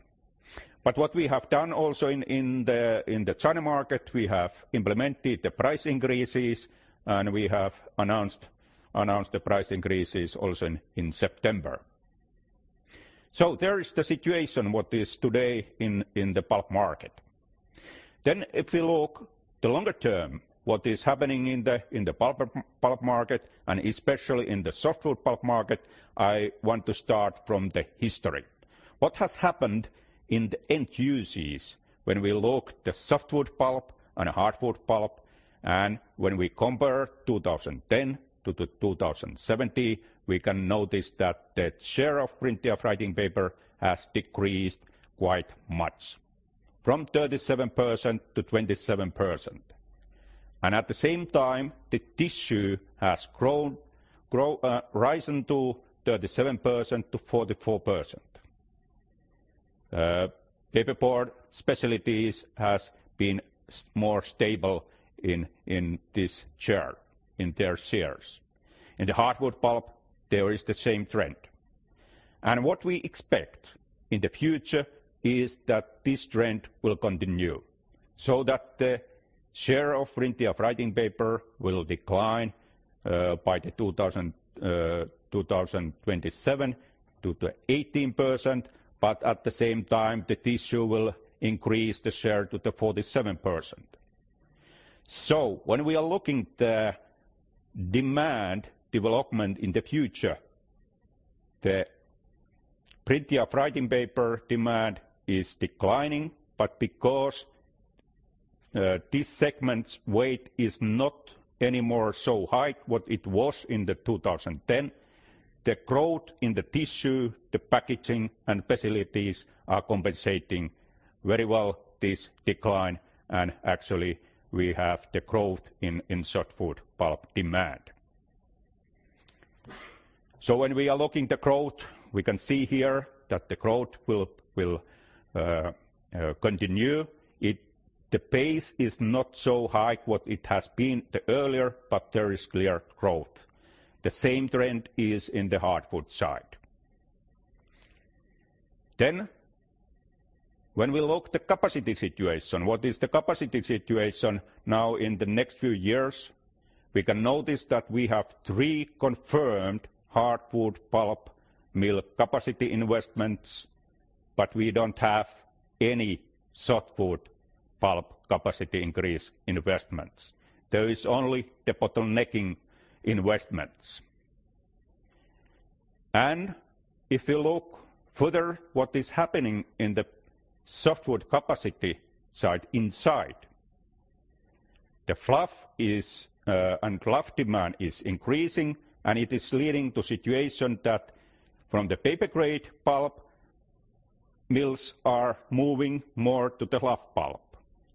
But what we have done also in the China market, we have implemented the price increases, and we have announced the price increases also in September. So there is the situation what is today in the pulp market. Then if we look at the longer term, what is happening in the pulp market, and especially in the softwood pulp market, I want to start from the history. What has happened in the end uses when we look at the softwood pulp and hardwood pulp, and when we compare 2010 to 2017, we can notice that the share of printing and writing paper has decreased quite much from 37% to 27%. And at the same time, the tissue has risen to 37% to 44%. Paperboard specialties have been more stable in this share in their shares. In the hardwood pulp, there is the same trend. What we expect in the future is that this trend will continue so that the share of printing and writing paper will decline by 2027 to 18%, but at the same time, the tissue will increase the share to 47%. So when we are looking at the demand development in the future, the printing and writing paper demand is declining, but because this segment's weight is not anymore so high what it was in 2010, the growth in the tissue, the packaging, and specialties are compensating very well this decline, and actually, we have the growth in softwood pulp demand. So when we are looking at the growth, we can see here that the growth will continue. The pace is not so high what it has been earlier, but there is clear growth. The same trend is in the hardwood side. Then, when we look at the capacity situation, what is the capacity situation now in the next few years? We can notice that we have three confirmed hardwood pulp mill capacity investments, but we don't have any softwood pulp capacity increase investments. There is only debottlenecking investments. And if you look further, what is happening in the softwood capacity side inside, the fluff and fluff demand is increasing, and it is leading to a situation that from the paper grade pulp mills are moving more to the fluff pulp.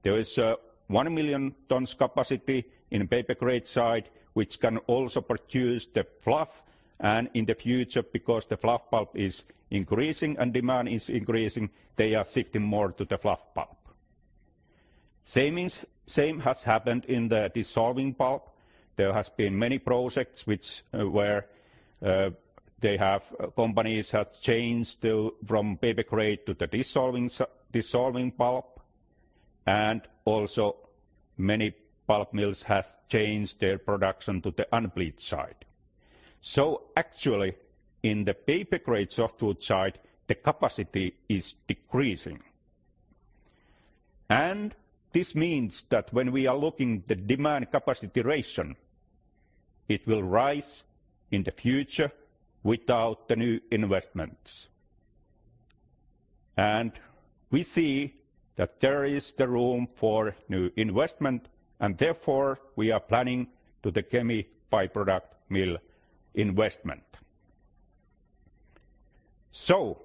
There is a 1 million tons capacity in the paper grade side, which can also produce the fluff, and in the future, because the fluff pulp is increasing and demand is increasing, they are shifting more to the fluff pulp. Same has happened in the dissolving pulp. There have been many projects where companies have changed from paper grade to the dissolving pulp, and also many pulp mills have changed their production to the unbleached side. So actually, in the paper grade softwood side, the capacity is decreasing. And this means that when we are looking at the demand capacity ratio, it will rise in the future without the new investments. And we see that there is room for new investment, and therefore, we are planning to do the Kemi bioproduct mill investment. So,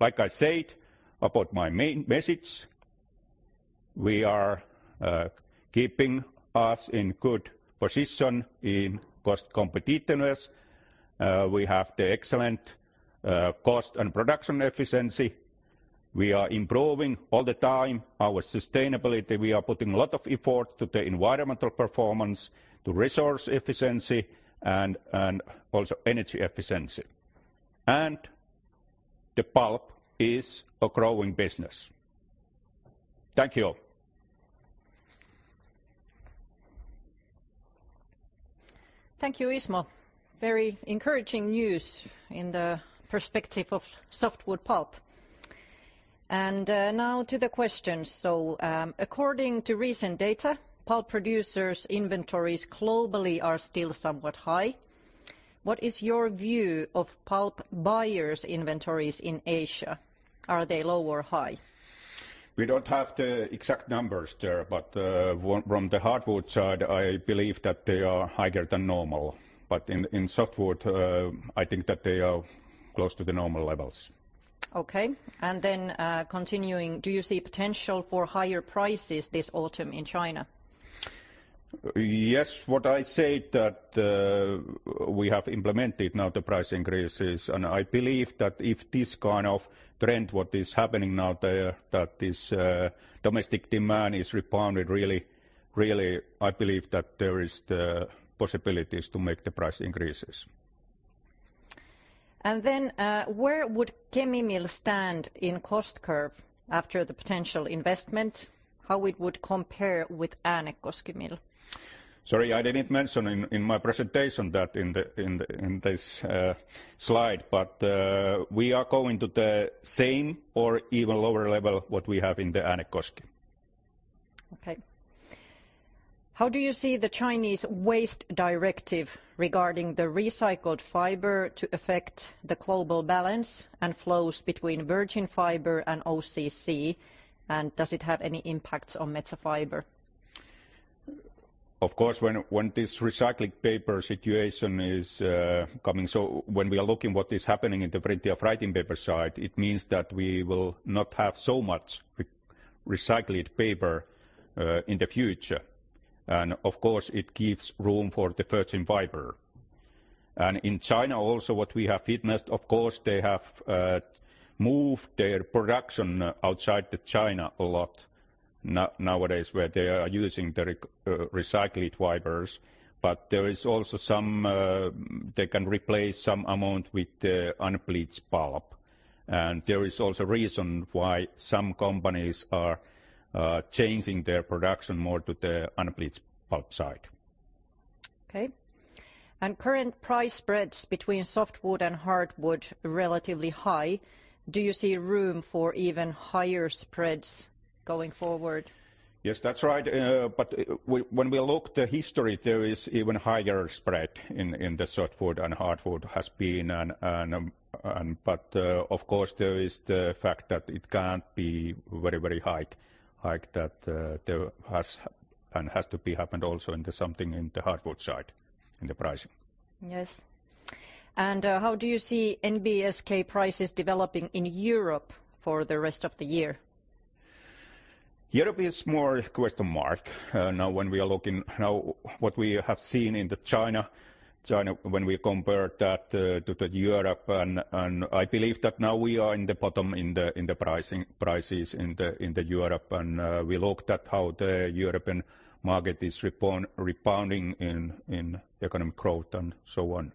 like I said about my main message, we are keeping us in good position in cost competitiveness. We have the excellent cost and production efficiency. We are improving all the time our sustainability. We are putting a lot of effort into the environmental performance, to resource efficiency, and also energy efficiency. And the pulp is a growing business. Thank you. Thank you, Ismo. Very encouraging news in the perspective of softwood pulp. And now to the questions. So according to recent data, pulp producers' inventories globally are still somewhat high. What is your view of pulp buyers' inventories in Asia? Are they low or high? We don't have the exact numbers there, but from the hardwood side, I believe that they are higher than normal. But in softwood, I think that they are close to the normal levels. Okay. And then continuing, do you see potential for higher prices this autumn in China? Yes, what I said that we have implemented now the price increases, and I believe that if this kind of trend, what is happening now there, that this domestic demand is rebounded, really, I believe that there are possibilities to make the price increases. And then where would Kemi mill stand in cost curve after the potential investment? How would it compare with Äänekoski mill? Sorry, I didn't mention in my presentation that in this slide, but we are going to the same or even lower level what we have in the Äänekoski. Okay. How do you see the Chinese waste directive regarding the recycled fiber to affect the global balance and flows between virgin fiber and OCC, and does it have any impacts on Metsä Fibre? Of course, when this recycled paper situation is coming, so when we are looking at what is happening in the printing and writing paper side, it means that we will not have so much recycled paper in the future. And of course, it gives room for the virgin fiber. In China also, what we have witnessed, of course, they have moved their production outside of China a lot nowadays where they are using the recycled fibers, but there is also some they can replace some amount with the unbleached pulp. There is also a reason why some companies are changing their production more to the unbleached pulp side. Okay. Current price spreads between softwood and hardwood are relatively high. Do you see room for even higher spreads going forward? Yes, that's right. When we look at the history, there is even higher spread in the softwood and hardwood has been, but of course, there is the fact that it can't be very, very high that there has and has to be happened also in something in the hardwood side in the pricing. Yes. And how do you see NBSK prices developing in Europe for the rest of the year? Europe is more a question mark. Now, when we are looking now, what we have seen in China, when we compare that to Europe, and I believe that now we are in the bottom in the prices in Europe, and we looked at how the European market is rebounding in economic growth and so on.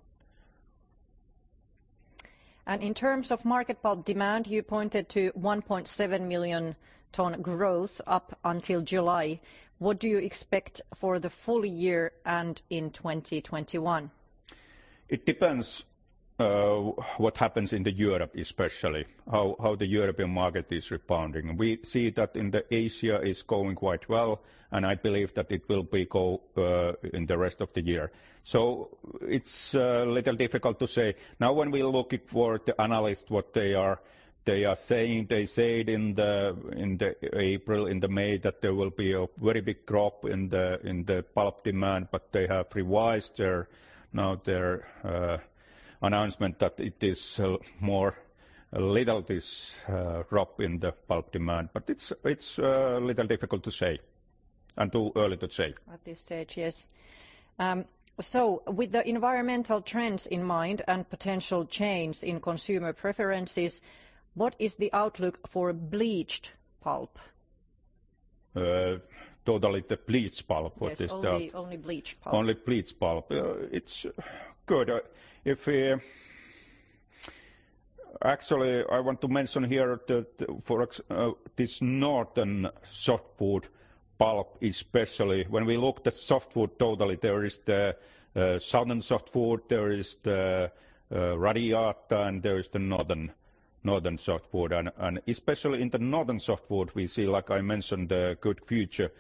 And in terms of market pulp demand, you pointed to 1.7 million tons growth up until July. What do you expect for the full year and in 2021? It depends what happens in Europe, especially how the European market is rebounding. We see that in Asia it's going quite well, and I believe that it will be going in the rest of the year. So it's a little difficult to say. Now, when we look for the analysts, what they are saying, they said in April, in May that there will be a very big drop in the pulp demand, but they have revised now their announcement that it is more a little this drop in the pulp demand, but it's a little difficult to say and too early to say. At this stage, yes. So with the environmental trends in mind and potential change in consumer preferences, what is the outlook for bleached pulp? Totally the bleached pulp, what is that? Just only bleached pulp. Only bleached pulp. It's good. Actually, I want to mention here that this northern softwood pulp especially, when we look at the softwood totally, there is the southern softwood, there is the radiata, and there is the northern softwood. Especially in the northern softwood, we see, like I mentioned, a good future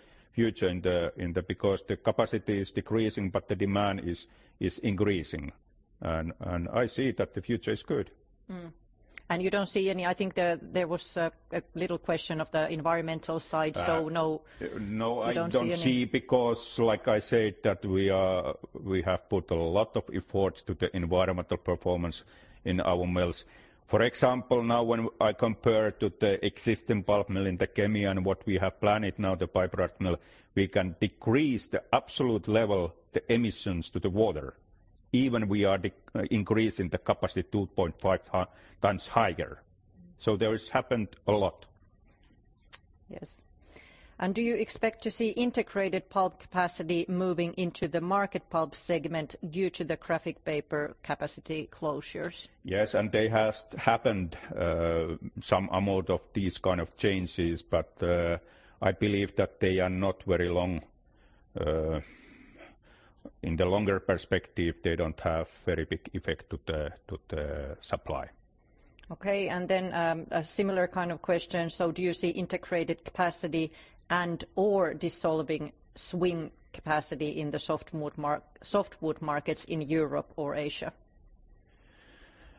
because the capacity is decreasing, but the demand is increasing. And I see that the future is good. And you don't see any? I think there was a little question of the environmental side, so no. No, I don't see any because, like I said, that we have put a lot of efforts to the environmental performance in our mills. For example, now when I compare to the existing pulp mill in Kemi and what we have planned now, the bioproduct mill, we can decrease the absolute level, the emissions to the water. Even we are increasing the capacity 2.5x higher. So there has happened a lot. Yes. And do you expect to see integrated pulp capacity moving into the market pulp segment due to the graphic paper capacity closures? Yes, and there has happened some amount of these kind of changes, but I believe that they are not very long. In the longer perspective, they don't have a very big effect to the supply. Okay. And then a similar kind of question. So do you see integrated capacity and/or dissolving pulp capacity in the softwood markets in Europe or Asia?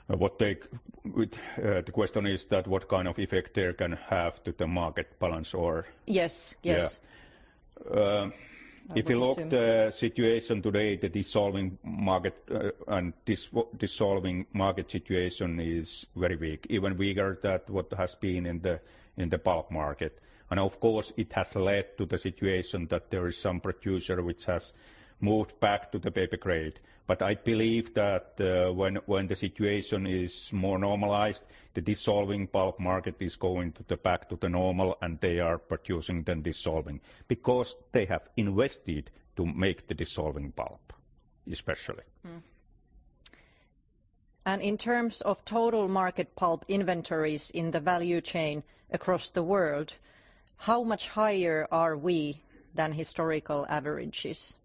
The question is that what kind of effect there can have to the market balance or. Yes, yes. If you look at the situation today, the dissolving market and dissolving market situation is very weak, even weaker than what has been in the pulp market. And of course, it has led to the situation that there is some producer which has moved back to the paper grade. But I believe that when the situation is more normalized, the dissolving pulp market is going back to the normal, and they are producing the dissolving because they have invested to make the dissolving pulp, especially. And in terms of total market pulp inventories in the value chain across the world, how much higher are we than historical averages?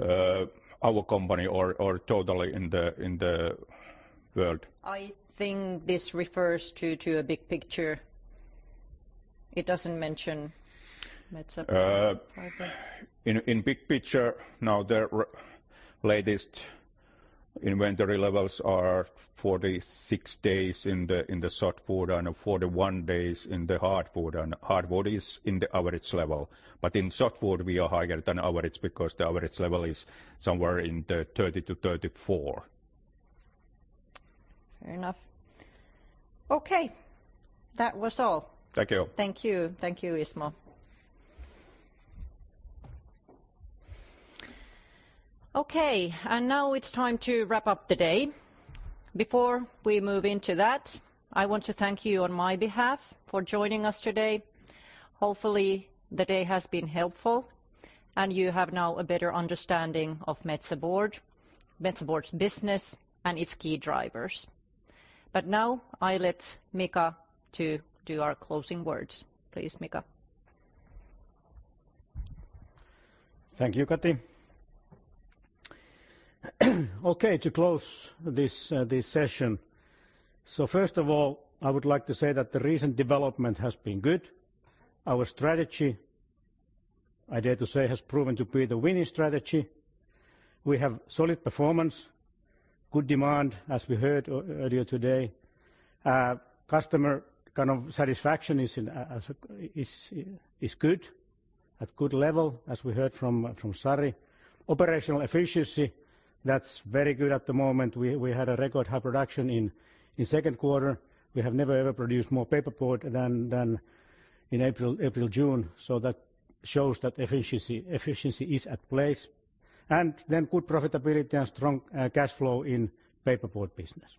Our company or totally in the world? I think this refers to a big picture. It doesn't mention Metsä Board. In big picture, now the latest inventory levels are 46 days in the softwood and 41 days in the hardwood, and hardwood is in the average level. But in softwood, we are higher than average because the average level is somewhere in the 30-34. Fair enough. Okay. That was all. Thank you. Thank you. Thank you, Ismo. Okay. And now it's time to wrap up the day. Before we move into that, I want to thank you on my behalf for joining us today. Hopefully, the day has been helpful, and you have now a better understanding of Metsä Board, Metsä Board's business and its key drivers. But now I'll let Mika do our closing words. Please, Mika. Thank you, Katri. Okay, to close this session. So first of all, I would like to say that the recent development has been good. Our strategy, I dare to say, has proven to be the winning strategy. We have solid performance, good demand, as we heard earlier today. Customer kind of satisfaction is good at good level, as we heard from Sari. Operational efficiency, that's very good at the moment. We had a record high production in second quarter. We have never ever produced more paperboard than in April, June. That shows that efficiency is in place. Then there is good profitability and strong cash flow in the paperboard business.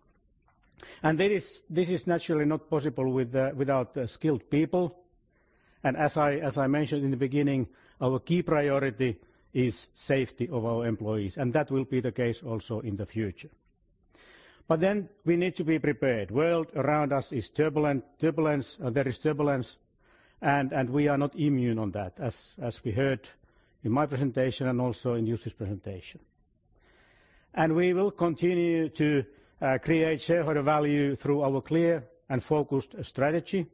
This is naturally not possible without skilled people. As I mentioned in the beginning, our key priority is the safety of our employees. That will be the case also in the future. We need to be prepared. The world around us is in turbulence. There is turbulence, and we are not immune to that, as we heard in my presentation and also in Jussi's presentation. We will continue to create shareholder value through our clear and focused strategy.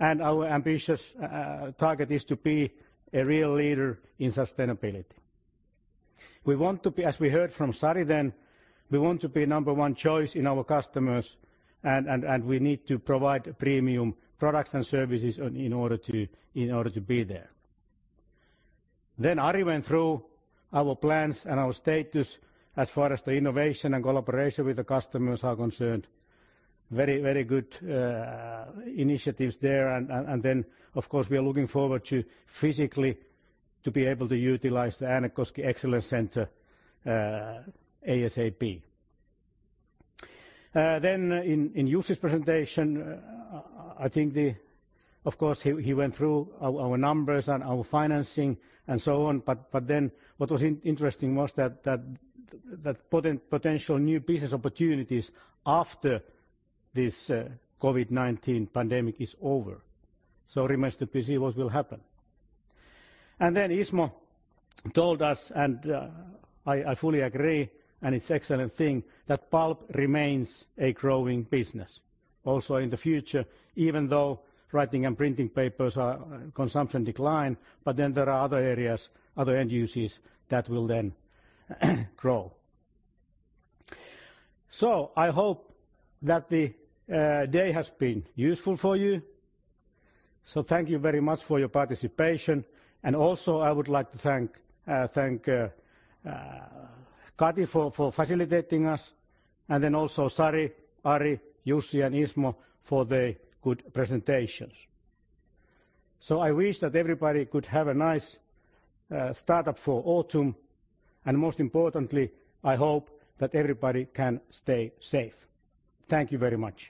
Our ambitious target is to be a real leader in sustainability. We want to be, as we heard from Sari then, the number one choice for our customers, and we need to provide premium products and services in order to be there. Ari went through our plans and our status as far as the innovation and collaboration with the customers are concerned. Very, very good initiatives there. And then, of course, we are looking forward to physically be able to utilize the Äänekoski Excellence Centre, ASAP. Then in Jussi's presentation, I think, of course, he went through our numbers and our financing and so on. But then what was interesting was that potential new business opportunities after this COVID-19 pandemic is over. So it remains to be seen what will happen. And then Ismo told us, and I fully agree, and it's an excellent thing that pulp remains a growing business. Also in the future, even though writing and printing papers are in consumption decline, but then there are other areas, other end uses that will then grow. So I hope that the day has been useful for you. Thank you very much for your participation. And also I would like to thank Katri for facilitating us, and then also Sari, Ari, Jussi, and Ismo for the good presentations. I wish that everybody could have a nice start to autumn, and most importantly, I hope that everybody can stay safe. Thank you very much.